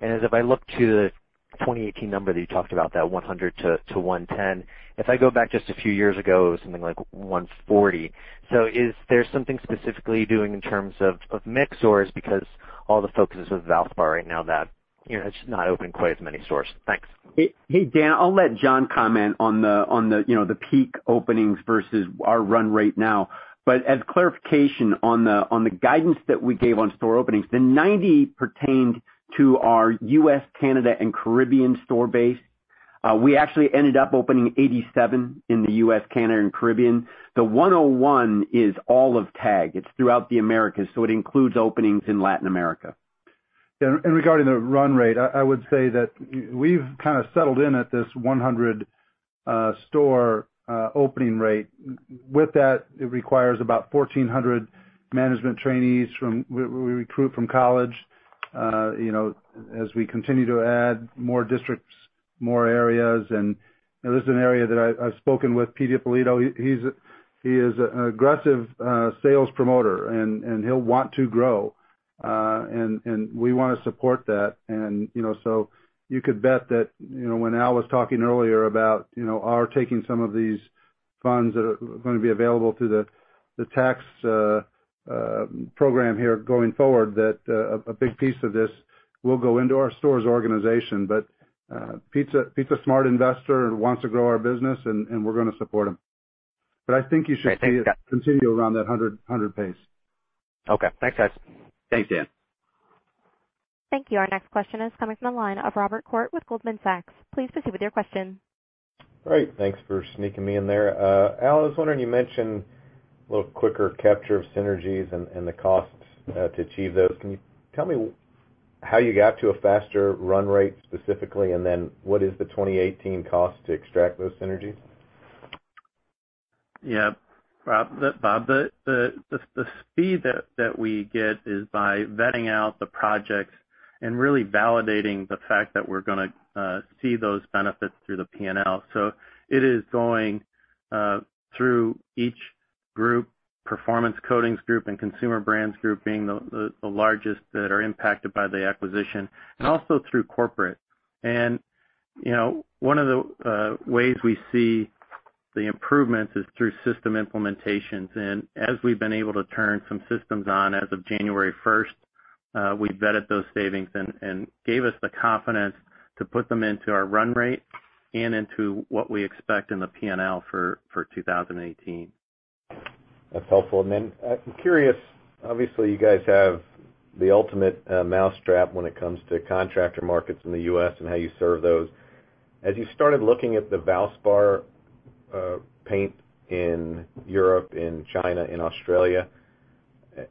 If I look to the 2018 number that you talked about, that 100 to 110. If I go back just a few years ago, it was something like 140. Is there something specifically doing in terms of mix, or is it because all the focus is with Valspar right now that, you know, it's not opening quite as many stores? Thanks. Dan, I'll let John comment on the, on the, you know, the peak openings versus our run rate now. As clarification on the, on the guidance that we gave on store openings, the 90 pertained to our U.S., Canada, and Caribbean store base. We actually ended up opening 87 in the U.S., Canada, and Caribbean. The 101 is all of TAG. It's throughout the Americas, so it includes openings in Latin America. Regarding the run rate, I would say that we've kind of settled in at this 100 store opening rate. With that, it requires about 1,400 management trainees. We recruit from college as we continue to add more districts, more areas. This is an area that I've spoken with Peter J. Ippolito. He is an aggressive sales promoter, and he'll want to grow. We wanna support that. So you could bet that when Allen J. Mistysyn was talking earlier about our taking some of these funds that are gonna be available through the tax program here going forward, a big piece of this will go into our stores organization. Pete's a smart investor and wants to grow our business, and we're going to support him. I think you should see it. Great. Thanks, guys. continue around that 100 pace. Okay. Thanks, guys. Thanks, Dan. Thank you. Our next question is coming from the line of Robert Koort with Goldman Sachs. Please proceed with your question. Great. Thanks for sneaking me in there. Al, I was wondering, you mentioned a little quicker capture of synergies and the costs to achieve those. Can you tell me how you got to a faster run rate specifically, and then what is the 2018 cost to extract those synergies? Yeah. Bob, the speed that we get is by vetting out the projects and really validating the fact that we're gonna see those benefits through the P&L. It is going through each group, Performance Coatings Group and Consumer Brands Group being the largest that are impacted by the acquisition, and also through corporate. You know, one of the ways we see the improvements is through system implementations. As we've been able to turn some systems on as of January first, we vetted those savings and gave us the confidence to put them into our run rate and into what we expect in the P&L for 2018. That's helpful. I'm curious, obviously, you guys have the ultimate mousetrap when it comes to contractor markets in the U.S. and how you serve those. As you started looking at the Valspar paint in Europe, in China, in Australia,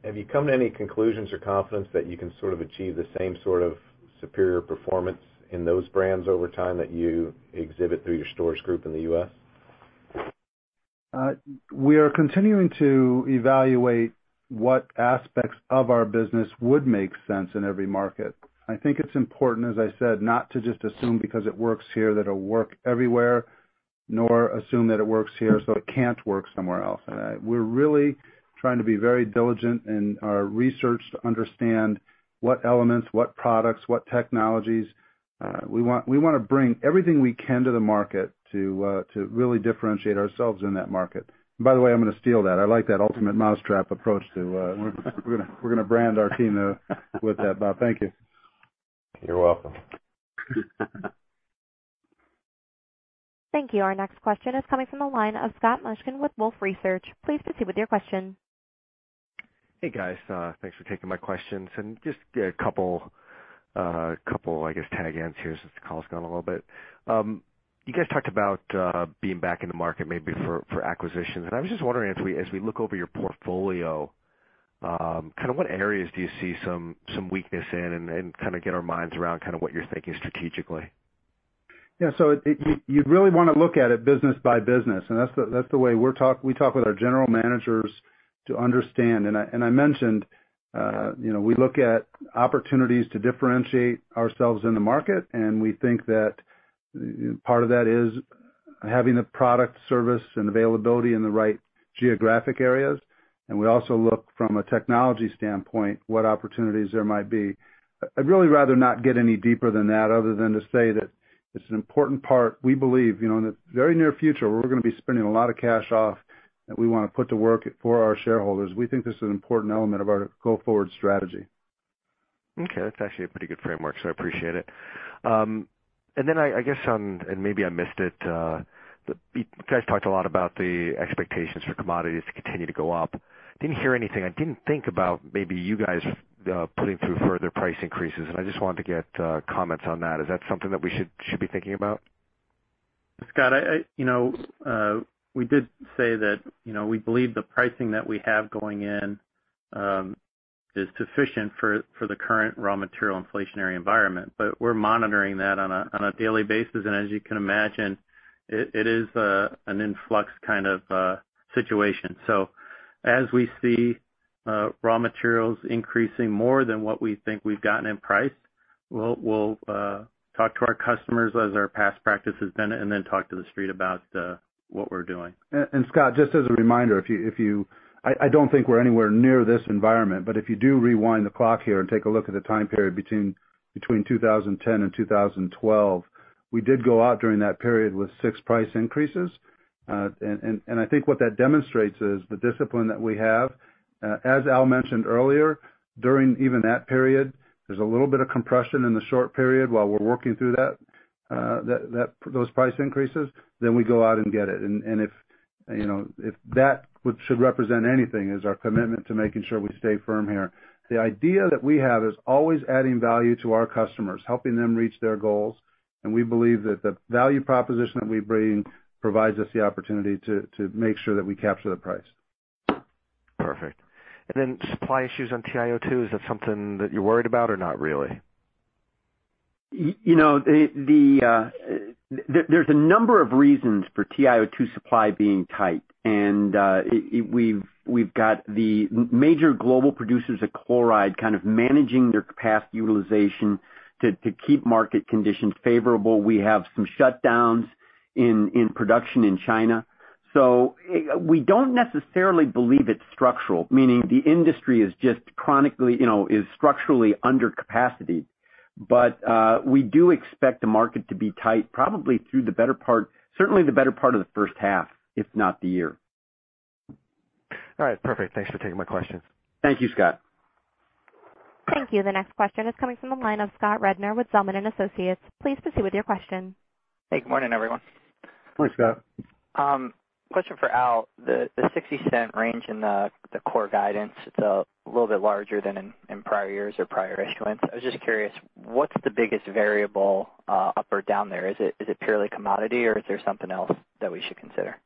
have you come to any conclusions or confidence that you can sort of achieve the same sort of superior performance in those brands over time that you exhibit through your Paint Stores Group in the U.S.? We are continuing to evaluate what aspects of our business would make sense in every market. I think it's important, as I said, not to just assume because it works here that it'll work everywhere, nor assume that it works here, so it can't work somewhere else. We're really trying to be very diligent in our research to understand what elements, what products, what technologies. We want to bring everything we can to the market to really differentiate ourselves in that market. By the way, I'm gonna steal that. I like that ultimate mousetrap approach to. We're gonna brand our team with that, Bob. Thank you. You're welcome. Thank you. Our next question is coming from the line of Scott Mushkin with Wolfe Research. Please proceed with your question. Hey, guys. Thanks for taking my questions. Just a couple, I guess, TAG ends here since the call's gone a little bit. You guys talked about being back in the market maybe for acquisitions, I was just wondering as we look over your portfolio, kind of what areas do you see some weakness in and kind of get our minds around kind of what you're thinking strategically? Yeah. You really wanna look at it business by business, and that's the way we talk with our general managers to understand. I mentioned, you know, we look at opportunities to differentiate ourselves in the market, and we think that part of that is having the product, service, and availability in the right geographic areas. We also look from a technology standpoint, what opportunities there might be. I'd really rather not get any deeper than that other than to say that it's an important part. We believe, you know, in the very near future, we're gonna be spending a lot of cash off that we wanna put to work for our shareholders. We think this is an important element of our go-forward strategy. Okay. That's actually a pretty good framework, so I appreciate it. I guess on, maybe I missed it, you guys talked a lot about the expectations for commodities to continue to go up. Didn't hear anything. I didn't think about maybe you guys putting through further price increases, I just wanted to get comments on that. Is that something that we should be thinking about? Scott, I, you know, we did say that, you know, we believe the pricing that we have going in is sufficient for the current raw material inflationary environment. We're monitoring that on a daily basis. As you can imagine, it is an influx kind of situation. As we see raw materials increasing more than what we think we've gotten in price, we'll talk to our customers as our past practice has been, talk to the street about what we're doing. Scott, just as a reminder, if you, I don't think we're anywhere near this environment, but if you do rewind the clock here and take a look at the time period between 2010 and 2012, we did go out during that period with 6 price increases. I think what that demonstrates is the discipline that we have. As Al mentioned earlier, during even that period, there's a little bit of compression in the short period while we're working through those price increases, then we go out and get it. If, you know, if that should represent anything, is our commitment to making sure we stay firm here. The idea that we have is always adding value to our customers, helping them reach their goals, and we believe that the value proposition that we bring provides us the opportunity to make sure that we capture the price. Perfect. Then supply issues on TiO2, is that something that you're worried about or not really? You know, the, there's a number of reasons for TiO2 supply being tight. We've got the major global producers of chloride kind of managing their capacity utilization to keep market conditions favorable. We have some shutdowns in production in China. We don't necessarily believe it's structural, meaning the industry is just chronically, you know, is structurally under capacity. We do expect the market to be tight probably through the better part, certainly the better part of the first half, if not the year. All right. Perfect. Thanks for taking my questions. Thank you, Scott. Thank you. The next question is coming from the line of Scott Rednor with Zelman & Associates. Please proceed with your question. Hey, good morning, everyone. Good morning, Scott. Question for Al. The $0.60 range in the core guidance, it's a little bit larger than in prior years or prior issuance. I was just curious, what's the biggest variable up or down there? Is it purely commodity or is there something else that we should consider?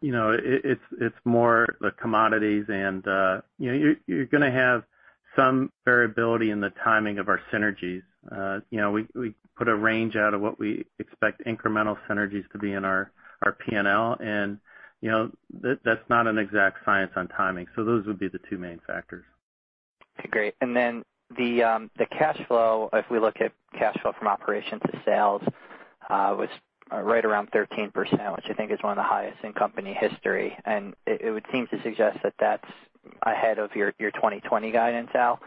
You know, it's more the commodities and, you know, you're gonna have some variability in the timing of our synergies. You know, we put a range out of what we expect incremental synergies to be in our P&L, and, you know, that's not an exact science on timing. Those would be the two main factors. Okay. Great. The cash flow, if we look at cash flow from operations to sales, was right around 13%, which I think is one of the highest in company history. It would seem to suggest that that's ahead of your 2020 guidance, Al.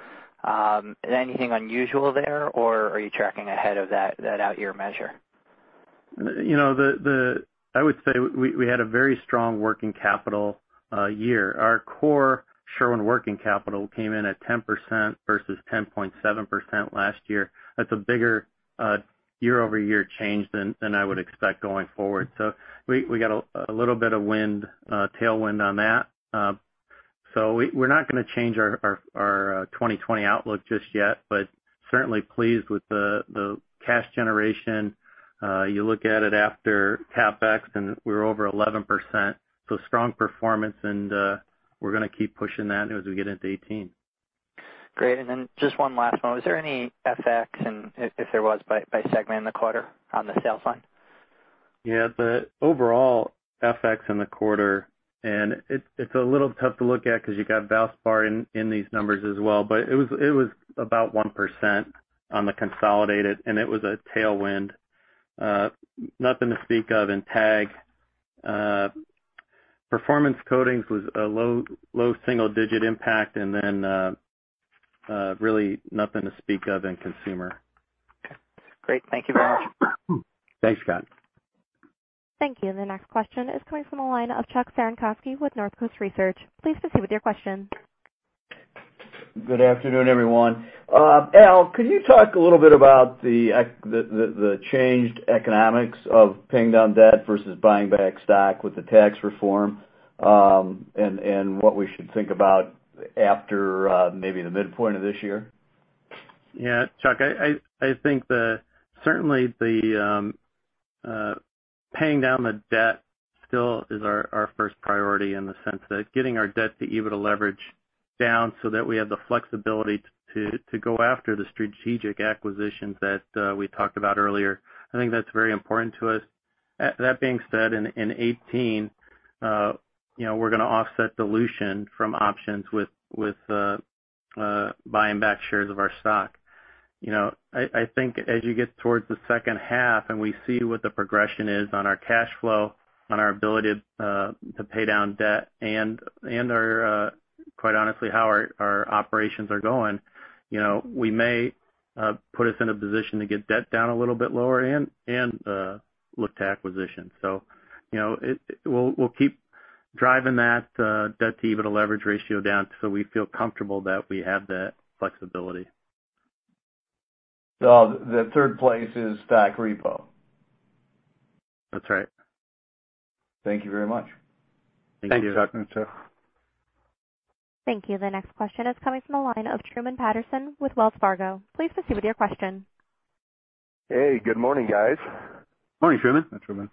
Anything unusual there, or are you tracking ahead of that out year measure? You know, I would say we had a very strong working capital year. Our core Sherwin working capital came in at 10% versus 10.7% last year. That's a bigger year-over-year change than I would expect going forward. We got a little bit of wind tailwind on that. We're not gonna change our 2020 outlook just yet, but certainly pleased with the cash generation. You look at it after CapEx, we're over 11%. Strong performance, we're gonna keep pushing that as we get into 2018. Great. Then just one last one. Was there any FX, and if there was, by segment in the quarter on the sales line? Yeah. The overall FX in the quarter, it's a little tough to look at because you got Valspar in these numbers as well, but it was about 1% on the consolidated, and it was a tailwind. Nothing to speak of in TAG. Performance Coatings was a low single digit impact, really nothing to speak of in Consumer. Okay, great. Thank you very much. Thanks, Scott. Thank you. The next question is coming from the line of Chuck Cerankosky with Northcoast Research. Please proceed with your question. Good afternoon, everyone. Al, could you talk a little bit about the changed economics of paying down debt versus buying back stock with the tax reform, and what we should think about after maybe the midpoint of this year? Yeah. Chuck Cerankosky, I think certainly the paying down the debt still is our first priority in the sense that getting our Debt-to-EBITDA leverage down that we have the flexibility to go after the strategic acquisitions that we talked about earlier. I think that's very important to us. That being said, in 2018, you know, we're going to offset dilution from options with buying back shares of our stock. You know, I think as you get towards the second half and we see what the progression is on our cash flow, on our ability to pay down debt and quite honestly, how our operations are going, you know, we may put us in a position to get debt down a little bit lower and look to acquisition. you know, we'll keep driving that Debt-to-EBITDA leverage ratio down so we feel comfortable that we have that flexibility. The third place is stock repo? That's right. Thank you very much. Thank you. Thanks for talking to Chuck Cerankosky. Thank you. The next question is coming from the line of Truman Patterson with Wells Fargo. Please proceed with your question. Hey, good morning, guys. Morning, Truman. Hi, Truman.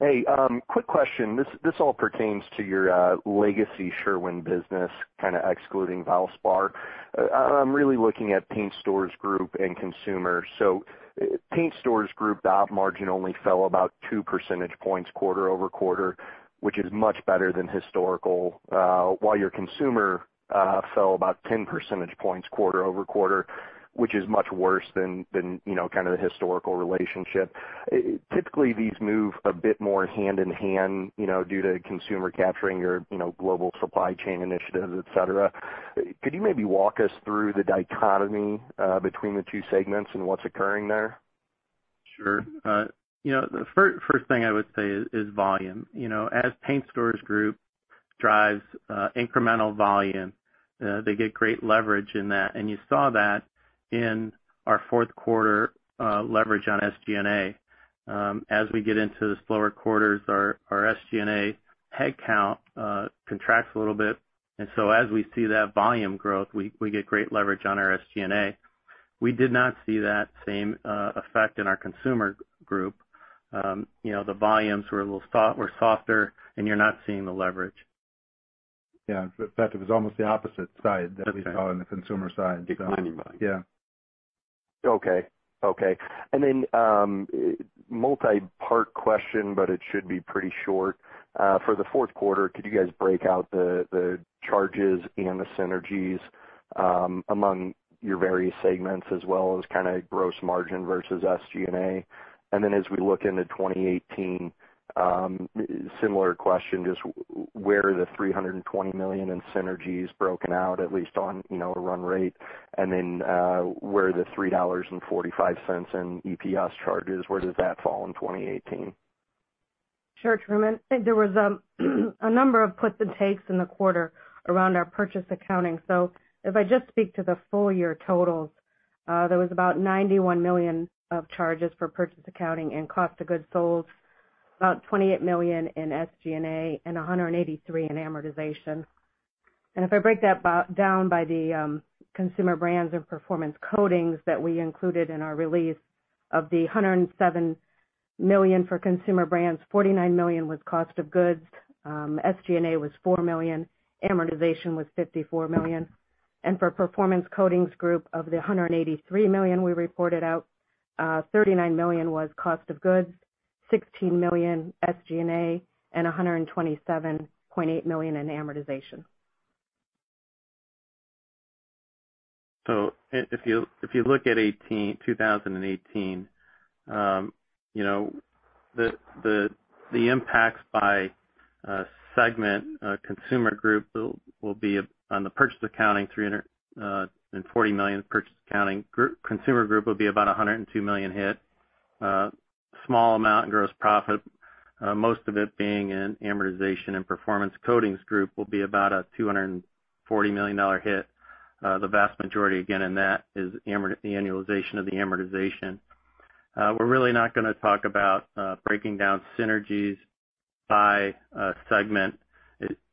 Hey, quick question. This all pertains to your legacy Sherwin business, kinda excluding Valspar. I'm really looking at Paint Stores Group and Consumer. Paint Stores Group, the op margin only fell about 2 percentage points quarter-over-quarter, which is much better than historical. While your Consumer fell about 10 percentage points quarter-over-quarter, which is much worse than, you know, kinda the historical relationship. Typically, these move a bit more hand in hand, you know, due to Consumer capturing your, you know, global supply chain initiatives, et cetera. Could you maybe walk us through the dichotomy between the two segments and what's occurring there? Sure. You know, the first thing I would say is volume. You know, as Paint Stores Group drives incremental volume, they get great leverage in that. You saw that in our fourth quarter, leverage on SG&A. As we get into the slower quarters, our SG&A headcount contracts a little bit. As we see that volume growth, we get great leverage on our SG&A. We did not see that same effect in our Consumer group. You know, the volumes were a little softer, you're not seeing the leverage. Yeah. In fact, it was almost the opposite side that we saw in the consumer side. Declining volume. Yeah. Okay. Okay. Multi-part question, but it should be pretty short. For the fourth quarter, could you guys break out the charges and the synergies among your various segments as well as kinda gross margin versus SG&A? As we look into 2018, similar question, just where are the $320 million in synergies broken out, at least on, you know, a run rate? Where are the $3.45 in EPS charges, where does that fall in 2018? Sure, Truman. I think there was a number of puts and takes in the quarter around our purchase accounting. If I just speak to the full -year totals, there was about $91 million of charges for purchase accounting and cost of goods sold, about $28 million in SG&A, and $183 million in amortization. If I break that down by the Consumer Brands and Performance Coatings that we included in our release, of the $107 million for Consumer Brands, $49 million was cost of goods, SG&A was $4 million, amortization was $54 million. For Performance Coatings Group, of the $183 million we reported out, $39 million was cost of goods, $16 million SG&A, and $127.8 million in amortization. If you look at 2018, you know, the impacts by segment, Consumer Brands Group will be on the purchase accounting, $340 million purchase accounting. Consumer Brands Group will be about a $102 million hit, small amount in gross profit, most of it being in amortization. Performance Coatings Group will be about a $240 million hit. The vast majority, again, in that is the annualization of the amortization. We're really not gonna talk about breaking down synergies by segment.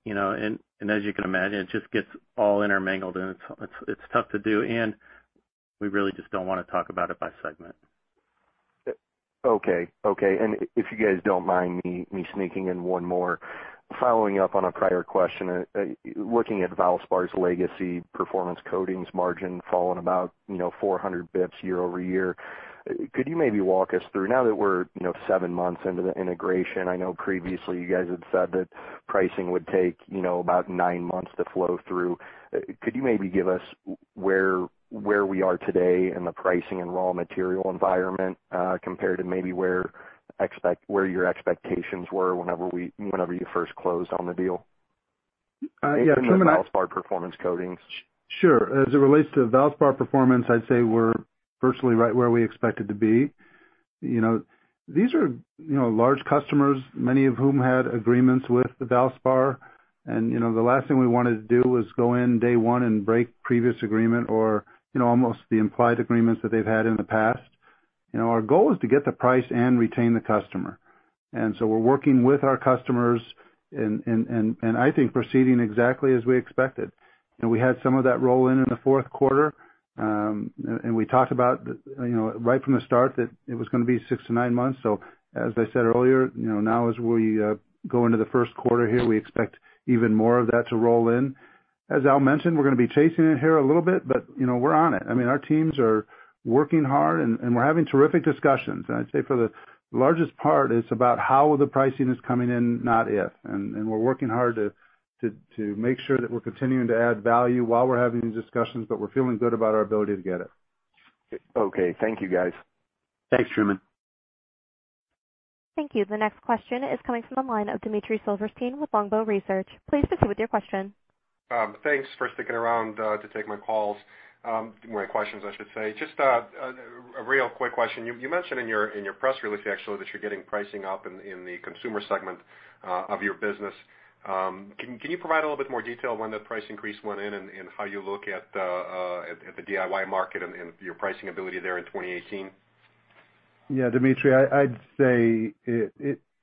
You know, as you can imagine, it just gets all intermingled, and it's tough to do, and we really just don't wanna talk about it by segment. Okay. Okay. If you guys don't mind me sneaking in one more. Following up on a prior question, looking at Valspar's legacy Performance Coatings margin falling about, you know, 400 bps year- over- year. Could you maybe walk us through? Now that we're, you know, seven months into the integration, I know previously you guys had said that pricing would take, you know, about nine months to flow through. Could you maybe give us where we are today in the pricing and raw material environment, compared to maybe where your expectations were whenever you first closed on the deal? yeah, Truman, In terms of Valspar Performance Coatings. Sure. As it relates to Valspar Performance, I'd say we're virtually right where we expected to be. These are, you know, large customers, many of whom had agreements with Valspar. The last thing we wanted to do was go in day one and break previous agreement or, you know, almost the implied agreements that they've had in the past. Our goal is to get the price and retain the customer. We're working with our customers and I think proceeding exactly as we expected. We had some of that roll in in the fourth quarter, and we talked about, you know, right from the start that it was gonna be six to nine months. As I said earlier, you know, now as we go into the first quarter here, we expect even more of that to roll in. As Al mentioned, we're gonna be chasing it here a little bit, but, you know, we're on it. I mean, our teams are working hard and we're having terrific discussions. I'd say for the largest part, it's about how the pricing is coming in, not if. We're working hard to make sure that we're continuing to add value while we're having these discussions, but we're feeling good about our ability to get it. Okay. Thank you, guys. Thanks, Truman. Thank you. The next question is coming from the line of Dmitry Silversteyn with Longbow Research. Please proceed with your question. Thanks for sticking around to take my calls, my questions, I should say. Just a real quick question. You mentioned in your press release actually that you're getting pricing up in the consumer segment of your business. Can you provide a little bit more detail when the price increase went in and how you look at the DIY market and your pricing ability there in 2018? Yeah, Dmitry, I'd say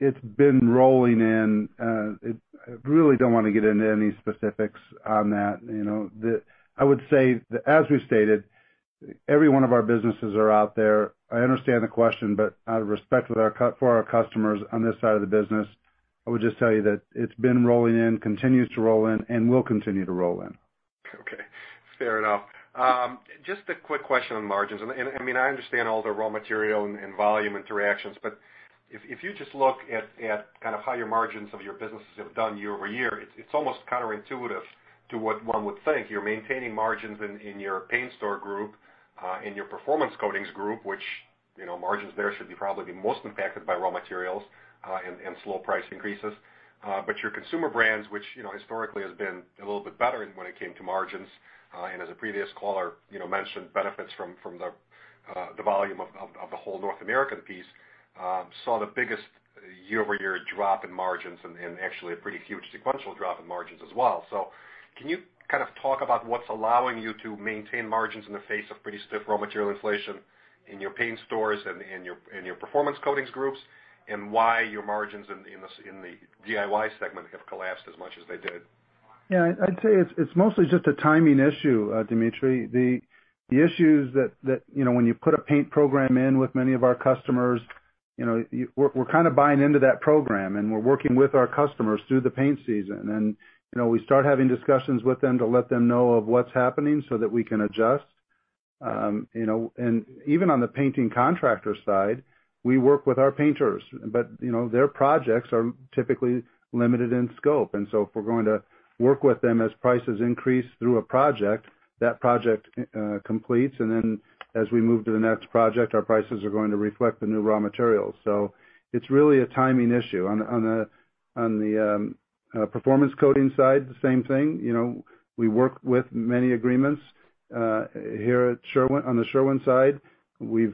it's been rolling in. I really don't wanna get into any specifics on that, you know. I would say that as we stated, every one of our businesses are out there. I understand the question, out of respect for our customers on this side of the business, I would just tell you that it's been rolling in, continues to roll in and will continue to roll in. Okay. Fair enough. Just a quick question on margins. I mean, I understand all the raw material and volume interactions, but if you just look at kind of how your margins of your businesses have done year-over-year, it's almost counterintuitive to what one would think. You're maintaining margins in your Paint Stores Group, in your Performance Coatings Group, which, you know, margins there should probably be most impacted by raw materials and slow price increases. Your Consumer Brands, which, you know, historically has been a little bit better when it came to margins, and as a previous caller, you know, mentioned benefits from the volume of the whole North American piece, saw the biggest year-over-year drop in margins and actually a pretty huge sequential drop in margins as well. Can you kind of talk about what's allowing you to maintain margins in the face of pretty stiff raw material inflation in your Paint Stores and in your Performance Coatings Group, and why your margins in the DIY segment have collapsed as much as they did? Yeah. I'd say it's mostly just a timing issue, Dmitry. The issues that, you know, when you put a paint program in with many of our customers, you know, we're kind of buying into that program, and we're working with our customers through the paint season. You know, we start having discussions with them to let them know of what's happening so that we can adjust. You know, even on the painting contractor side, we work with our painters. You know, their projects are typically limited in scope. If we're going to work with them as prices increase through a project, that project completes, and then as we move to the next project, our prices are going to reflect the new raw materials. It's really a timing issue. On the performance coating side, the same thing. You know, we work with many agreements here at Sherwin. On the Sherwin side, we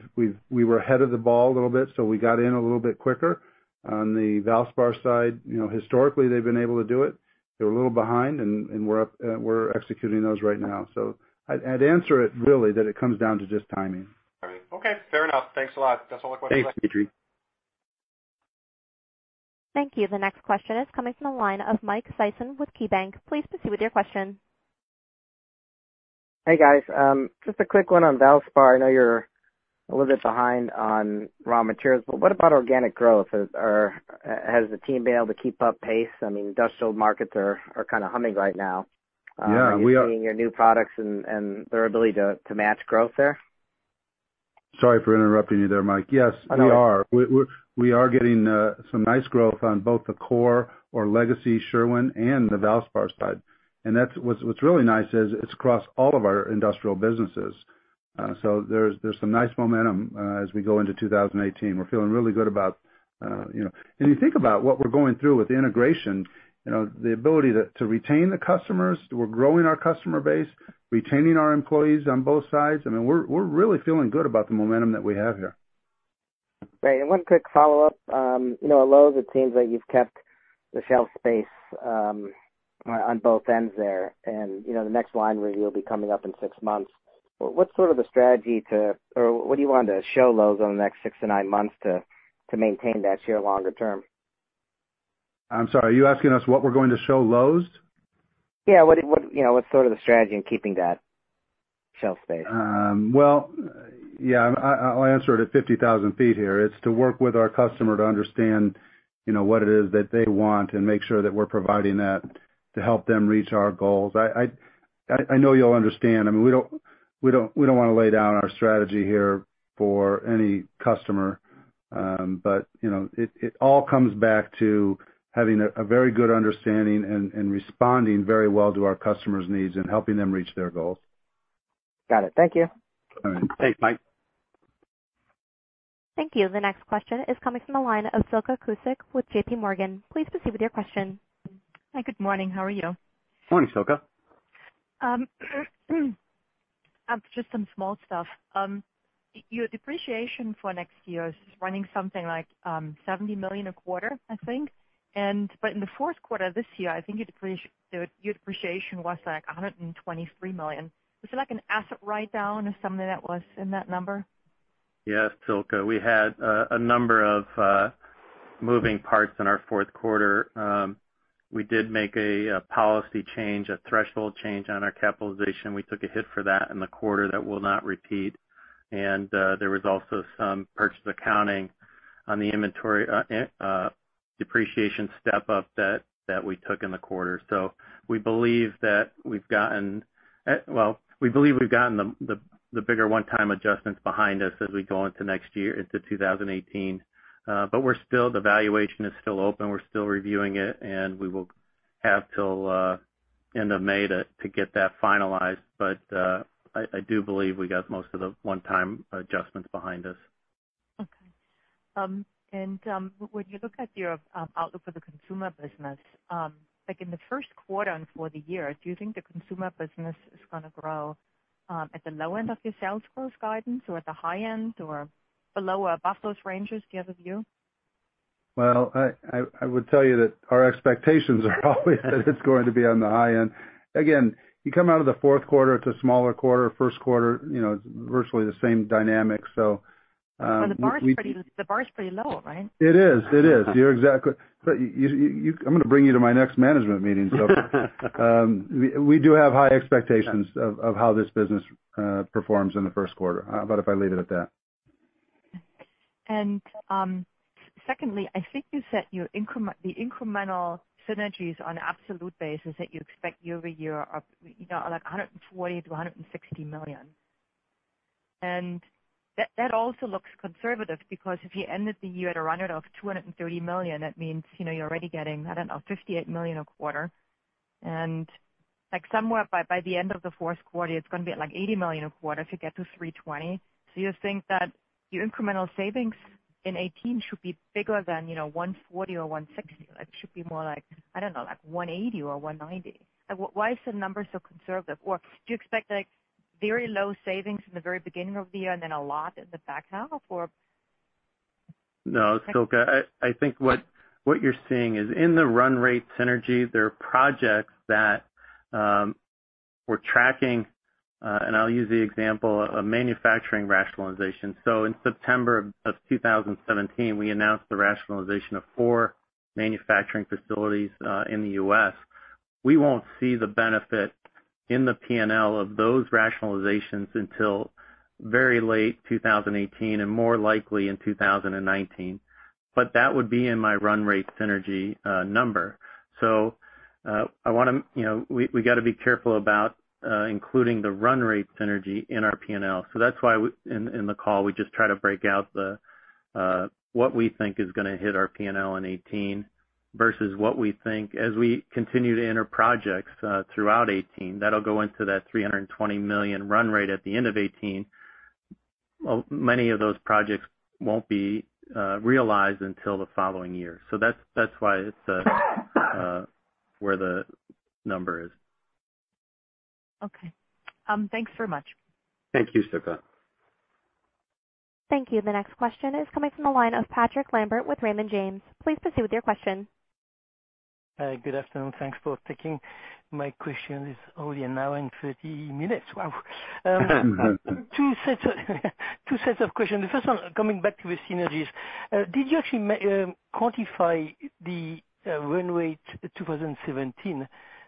were ahead of the ball a little bit, so we got in a little bit quicker. On the Valspar side, you know, historically, they've been able to do it. They're a little behind, and we're up, we're executing those right now. I'd answer it really that it comes down to just timing. Okay. Fair enough. Thanks a lot. That's all the questions I have. Thanks, Dmitry. Thank you. The next question is coming from the line of Michael Sison with KeyBank. Please proceed with your question. Hey, guys. Just a quick one on Valspar. I know you're a little bit behind on raw materials, what about organic growth? Has the team been able to keep up pace? I mean, industrial markets are kinda humming right now. Yeah. Are you seeing your new products and their ability to match growth there? Sorry for interrupting you there, Mike. Yes, we are. Oh, no. We are getting some nice growth on both the core or legacy Sherwin and the Valspar side. What's really nice is it's across all of our industrial businesses. There's some nice momentum as we go into 2018. We're feeling really good about, you know. You think about what we're going through with the integration, you know, the ability to retain the customers. We're growing our customer base, retaining our employees on both sides. I mean, we're really feeling good about the momentum that we have here. Great. One quick follow-up. You know, at Lowe's it seems that you've kept the shelf space on both ends there. You know, the next line review will be coming up in 6 months. What's sort of the strategy or what do you want to show Lowe's on the next six to nine months to maintain that share longer- term? I'm sorry, are you asking us what we're going to show Lowe's? Yeah. What, you know, what's sort of the strategy in keeping that shelf space? Well, yeah, I'll answer it at 50,000 feet here. It's to work with our customer to understand, you know, what it is that they want and make sure that we're providing that to help them reach our goals. I know you'll understand. I mean, we don't wanna lay down our strategy here for any customer. You know, it all comes back to having a very good understanding and responding very well to our customers' needs and helping them reach their goals. Got it. Thank you. All right. Thanks, Mike. Thank you. The next question is coming from the line of Silke Kueck with JPMorgan. Please proceed with your question. Hi, good morning. How are you? Morning, Silke. Just some small stuff. Your depreciation for next year is running something like, $70 million a quarter, I think. In the fourth quarter this year, I think your depreciation was like $123 million. Was there like an asset write-down or something that was in that number? Yes, Silke. We had a number of moving parts in our fourth quarter. We did make a policy change, a threshold change on our capitalization. We took a hit for that in the quarter. That will not repeat. There was also some purchase accounting on the inventory depreciation step-up that we took in the quarter. We believe that we've gotten, well, we believe we've gotten the bigger one-time adjustments behind us as we go into next year, into 2018. The valuation is still open. We're still reviewing it, and we will have till. End of May to get that finalized. I do believe we got most of the one-time adjustments behind us. Okay. When you look at your outlook for the consumer business, like in the first quarter and for the year, do you think the consumer business is gonna grow at the low end of your sales growth guidance, or at the high end or below above those ranges? Do you have a view? I would tell you that our expectations are always that it's going to be on the high end. You come out of the fourth quarter to smaller quarter, first quarter, you know, virtually the same dynamic. The bar is pretty low, right? It is. It is. You're exactly. I'm gonna bring you to my next management meeting, so. We do have high expectations of how this business performs in the first quarter. How about if I leave it at that? Secondly, I think you said your incremental synergies on absolute basis that you expect year-over-year are, you know, like $140 million-$160 million. That also looks conservative because if you ended the year at a run rate of $230 million, that means, you know, you're already getting, I don't know, $58 million a quarter. Like somewhere by the end of the fourth quarter, it's gonna be at like $80 million a quarter if you get to $320 million. You think that your incremental savings in 2018 should be bigger than, you know, $140 million or $160 million. Like, it should be more like, I don't know, like, $180 million or $190 million. Why is the number so conservative? Do you expect, like, very low savings in the very beginning of the year and then a lot in the back half or? No, Silke. I think what you're seeing is in the run rate synergy, there are projects that we're tracking, and I'll use the example of manufacturing rationalization. In September 2017, we announced the rationalization of four manufacturing facilities in the U.S. We won't see the benefit in the P&L of those rationalizations until very late 2018 and more likely in 2019. That would be in my run rate synergy number. I wanna, you know, we gotta be careful about including the run rate synergy in our P&L. That's why in the call, we just try to break out what we think is gonna hit our P&L in 2018 versus what we think as we continue to enter projects throughout 2018. That'll go into that $320 million run rate at the end of 2018. Well, many of those projects won't be realized until the following year. That's why it's where the number is. Thanks very much. Thank you, Silke. Thank you. The next question is coming from the line of Patrick Lambert with Raymond James. Please proceed with your question. Good afternoon. Thanks for taking my question. It's only 1 hour and 30 minutes. Wow. two sets of questions. The first one, coming back to the synergies. Did you actually quantify the run rate, 2017?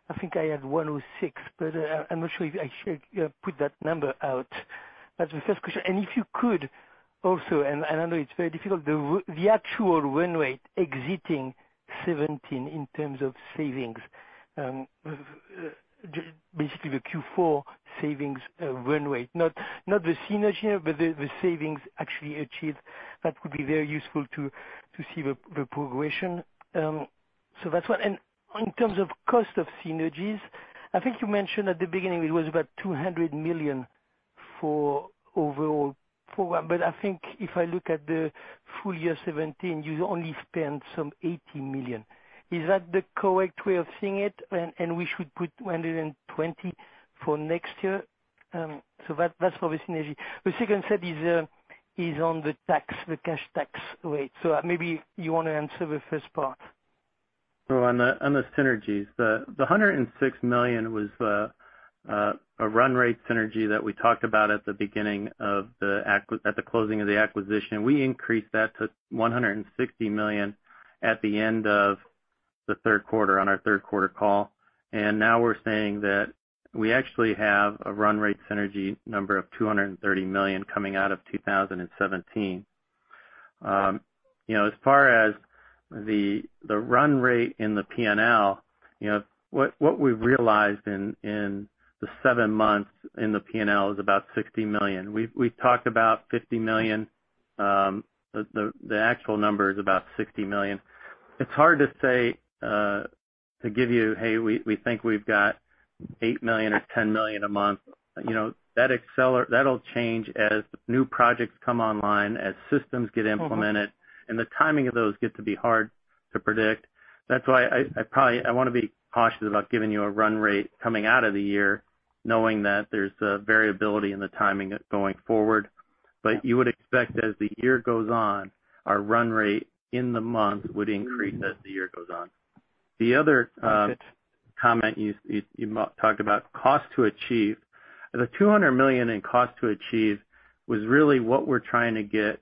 I think I had 106, but I'm not sure if I should put that number out. That's the first question. If you could also, I know it's very difficult, the actual run rate exiting 2017 in terms of savings, basically the Q4 savings run rate. Not the synergy, but the savings actually achieved. That would be very useful to see the progression. That's one. In terms of cost of synergies, I think you mentioned at the beginning it was about $200 million for overall program. I think if I look at the full- year 2017, you'd only spent some $80 million. Is that the correct way of seeing it? We should put $220 for next year. So that's for the synergy. The second set is on the tax, the cash tax rate. Maybe you wanna answer the first part. On the synergies. The $106 million was a run rate synergy that we talked about at the closing of the acquisition. We increased that to $160 million at the end of the third quarter on our third quarter call. Now we're saying that we actually have a run rate synergy number of $230 million coming out of 2017. You know, as far as the run rate in the P&L, you know, what we've realized in the seven months in the P&L is about $60 million. We've talked about $50 million. The actual number is about $60 million. It's hard to say, to give you, hey, we think we've got $8 million or $10 million a month. You know, that'll change as new projects come online, as systems get implemented. The timing of those get to be hard to predict. That's why I wanna be cautious about giving you a run rate coming out of the year, knowing that there's a variability in the timing going forward. You would expect as the year goes on, our run rate in the month would increase as the year goes on. Got it. You talked about cost to achieve. The $200 million in cost to achieve was really what we're trying to get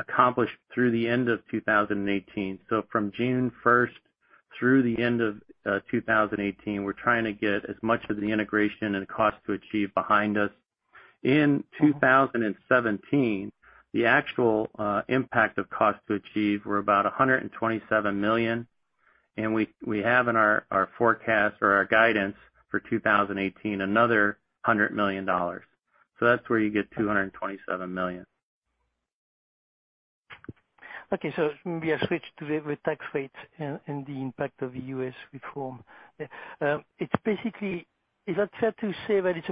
accomplished through the end of 2018. From June 1st through the end of 2018, we're trying to get as much of the integration and cost to achieve behind us. In 2017, the actual impact of cost to achieve were about $127 million, and we have in our forecast or our guidance for 2018, another $100 million. That's where you get $227 million. Okay. Maybe I'll switch to the tax rate and the impact of the U.S. reform. Is that fair to say that it's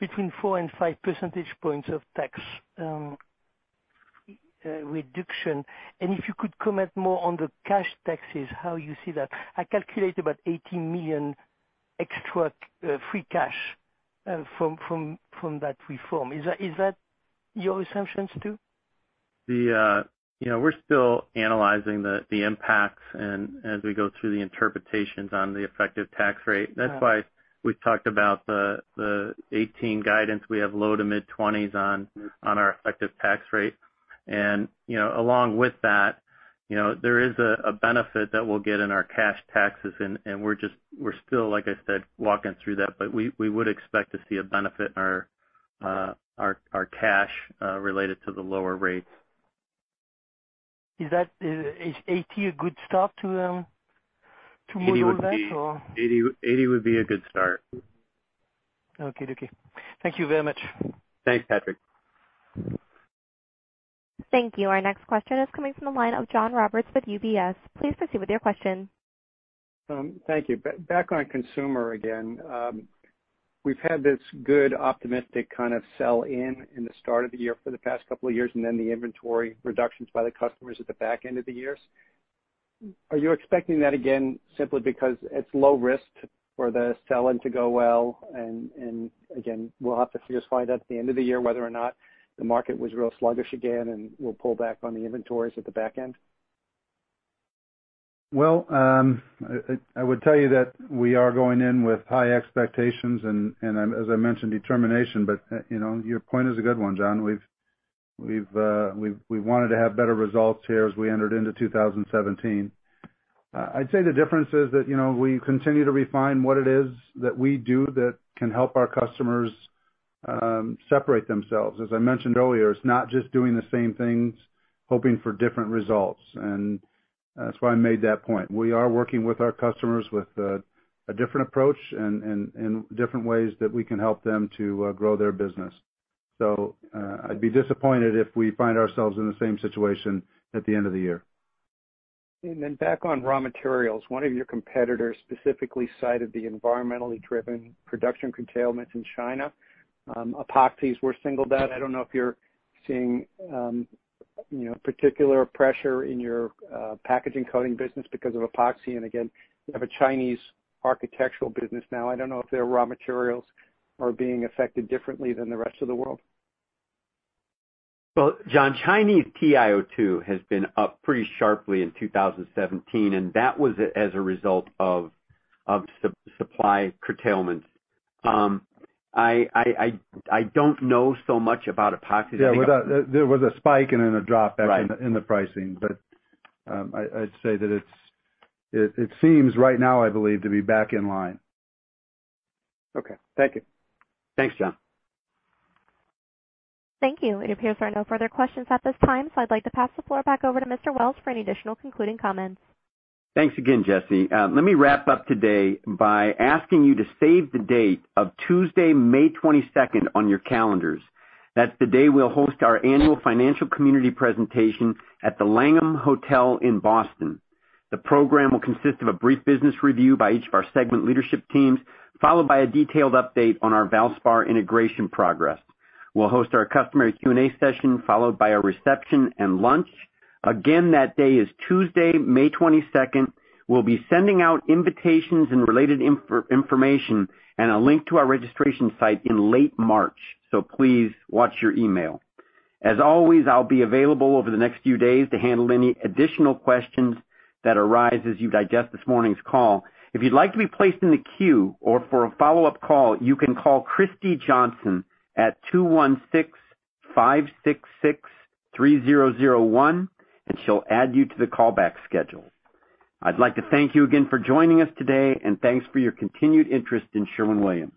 between four and five percentage points of tax reduction? If you could comment more on the cash taxes, how you see that. I calculate about $80 million extra free cash from that reform. Is that your assumptions too? The, you know, we're still analyzing the impacts and as we go through the interpretations on the effective tax rate. Right. That's why we talked about the 18 guidance. We have low to mid 20s. on our effective tax rate. You know, along with that, you know, there is a benefit that we'll get in our cash taxes and we're still, like I said, walking through that. We would expect to see a benefit in our cash related to the lower rates. Is 80 a good start to move with that or? 80 would be a good start. Okie dokie. Thank you very much. Thanks, Patrick. Thank you. Our next question is coming from the line of John Roberts with UBS. Please proceed with your question. Thank you. Back on consumer again. We've had this good optimistic kind of sell-in in the start of the year for the past couple of years, and then the inventory reductions by the customers at the back end of the years. Are you expecting that again, simply because it's low risk for the sell-in to go well, and again, we'll have to just find out at the end of the year whether or not the market was real sluggish again, and we'll pull back on the inventories at the back end? I would tell you that we are going in with high expectations and as I mentioned, determination. You know, your point is a good one, John. We've wanted to have better results here as we entered into 2017. I'd say the difference is that, you know, we continue to refine what it is that we do that can help our customers separate themselves. As I mentioned earlier, it's not just doing the same things, hoping for different results. That's why I made that point. We are working with our customers with a different approach and in different ways that we can help them to grow their business. I'd be disappointed if we find ourselves in the same situation at the end of the year. Back on raw materials. One of your competitors specifically cited the environmentally driven production curtailments in China. Epoxies were singled out. I don't know if you're seeing, you know, particular pressure in your packaging coating business because of epoxy. Again, you have a Chinese architectural business now. I don't know if their raw materials are being affected differently than the rest of the world. Well, John, Chinese TiO2 has been up pretty sharply in 2017, and that was as a result of supply curtailment. I don't know so much about epoxy. Yeah. Well, there was a spike and then a drop. Right. in the pricing. I'd say that it seems right now, I believe, to be back in line. Okay. Thank you. Thanks, John. Thank you. It appears there are no further questions at this time. I'd like to pass the floor back over to Mr. Wells for any additional concluding comments. Thanks again, Jesse. Let me wrap up today by asking you to save the date of Tuesday, May 22nd on your calendars. That's the day we'll host our annual financial community presentation at the Langham Hotel in Boston. The program will consist of a brief business review by each of our segment leadership teams, followed by a detailed update on our Valspar integration progress. We'll host our customer Q&A session, followed by a reception and lunch. Again, that day is Tuesday, May 22nd. We'll be sending out invitations and related information and a link to our registration site in late March. Please watch your email. As always, I'll be available over the next few days to handle any additional questions that arise as you digest this morning's call. If you'd like to be placed in the queue or for a follow-up call, you can call Christy Johnson at 216-566-3001, and she'll add you to the callback schedule. I'd like to thank you again for joining us today and thanks for your continued interest in Sherwin-Williams.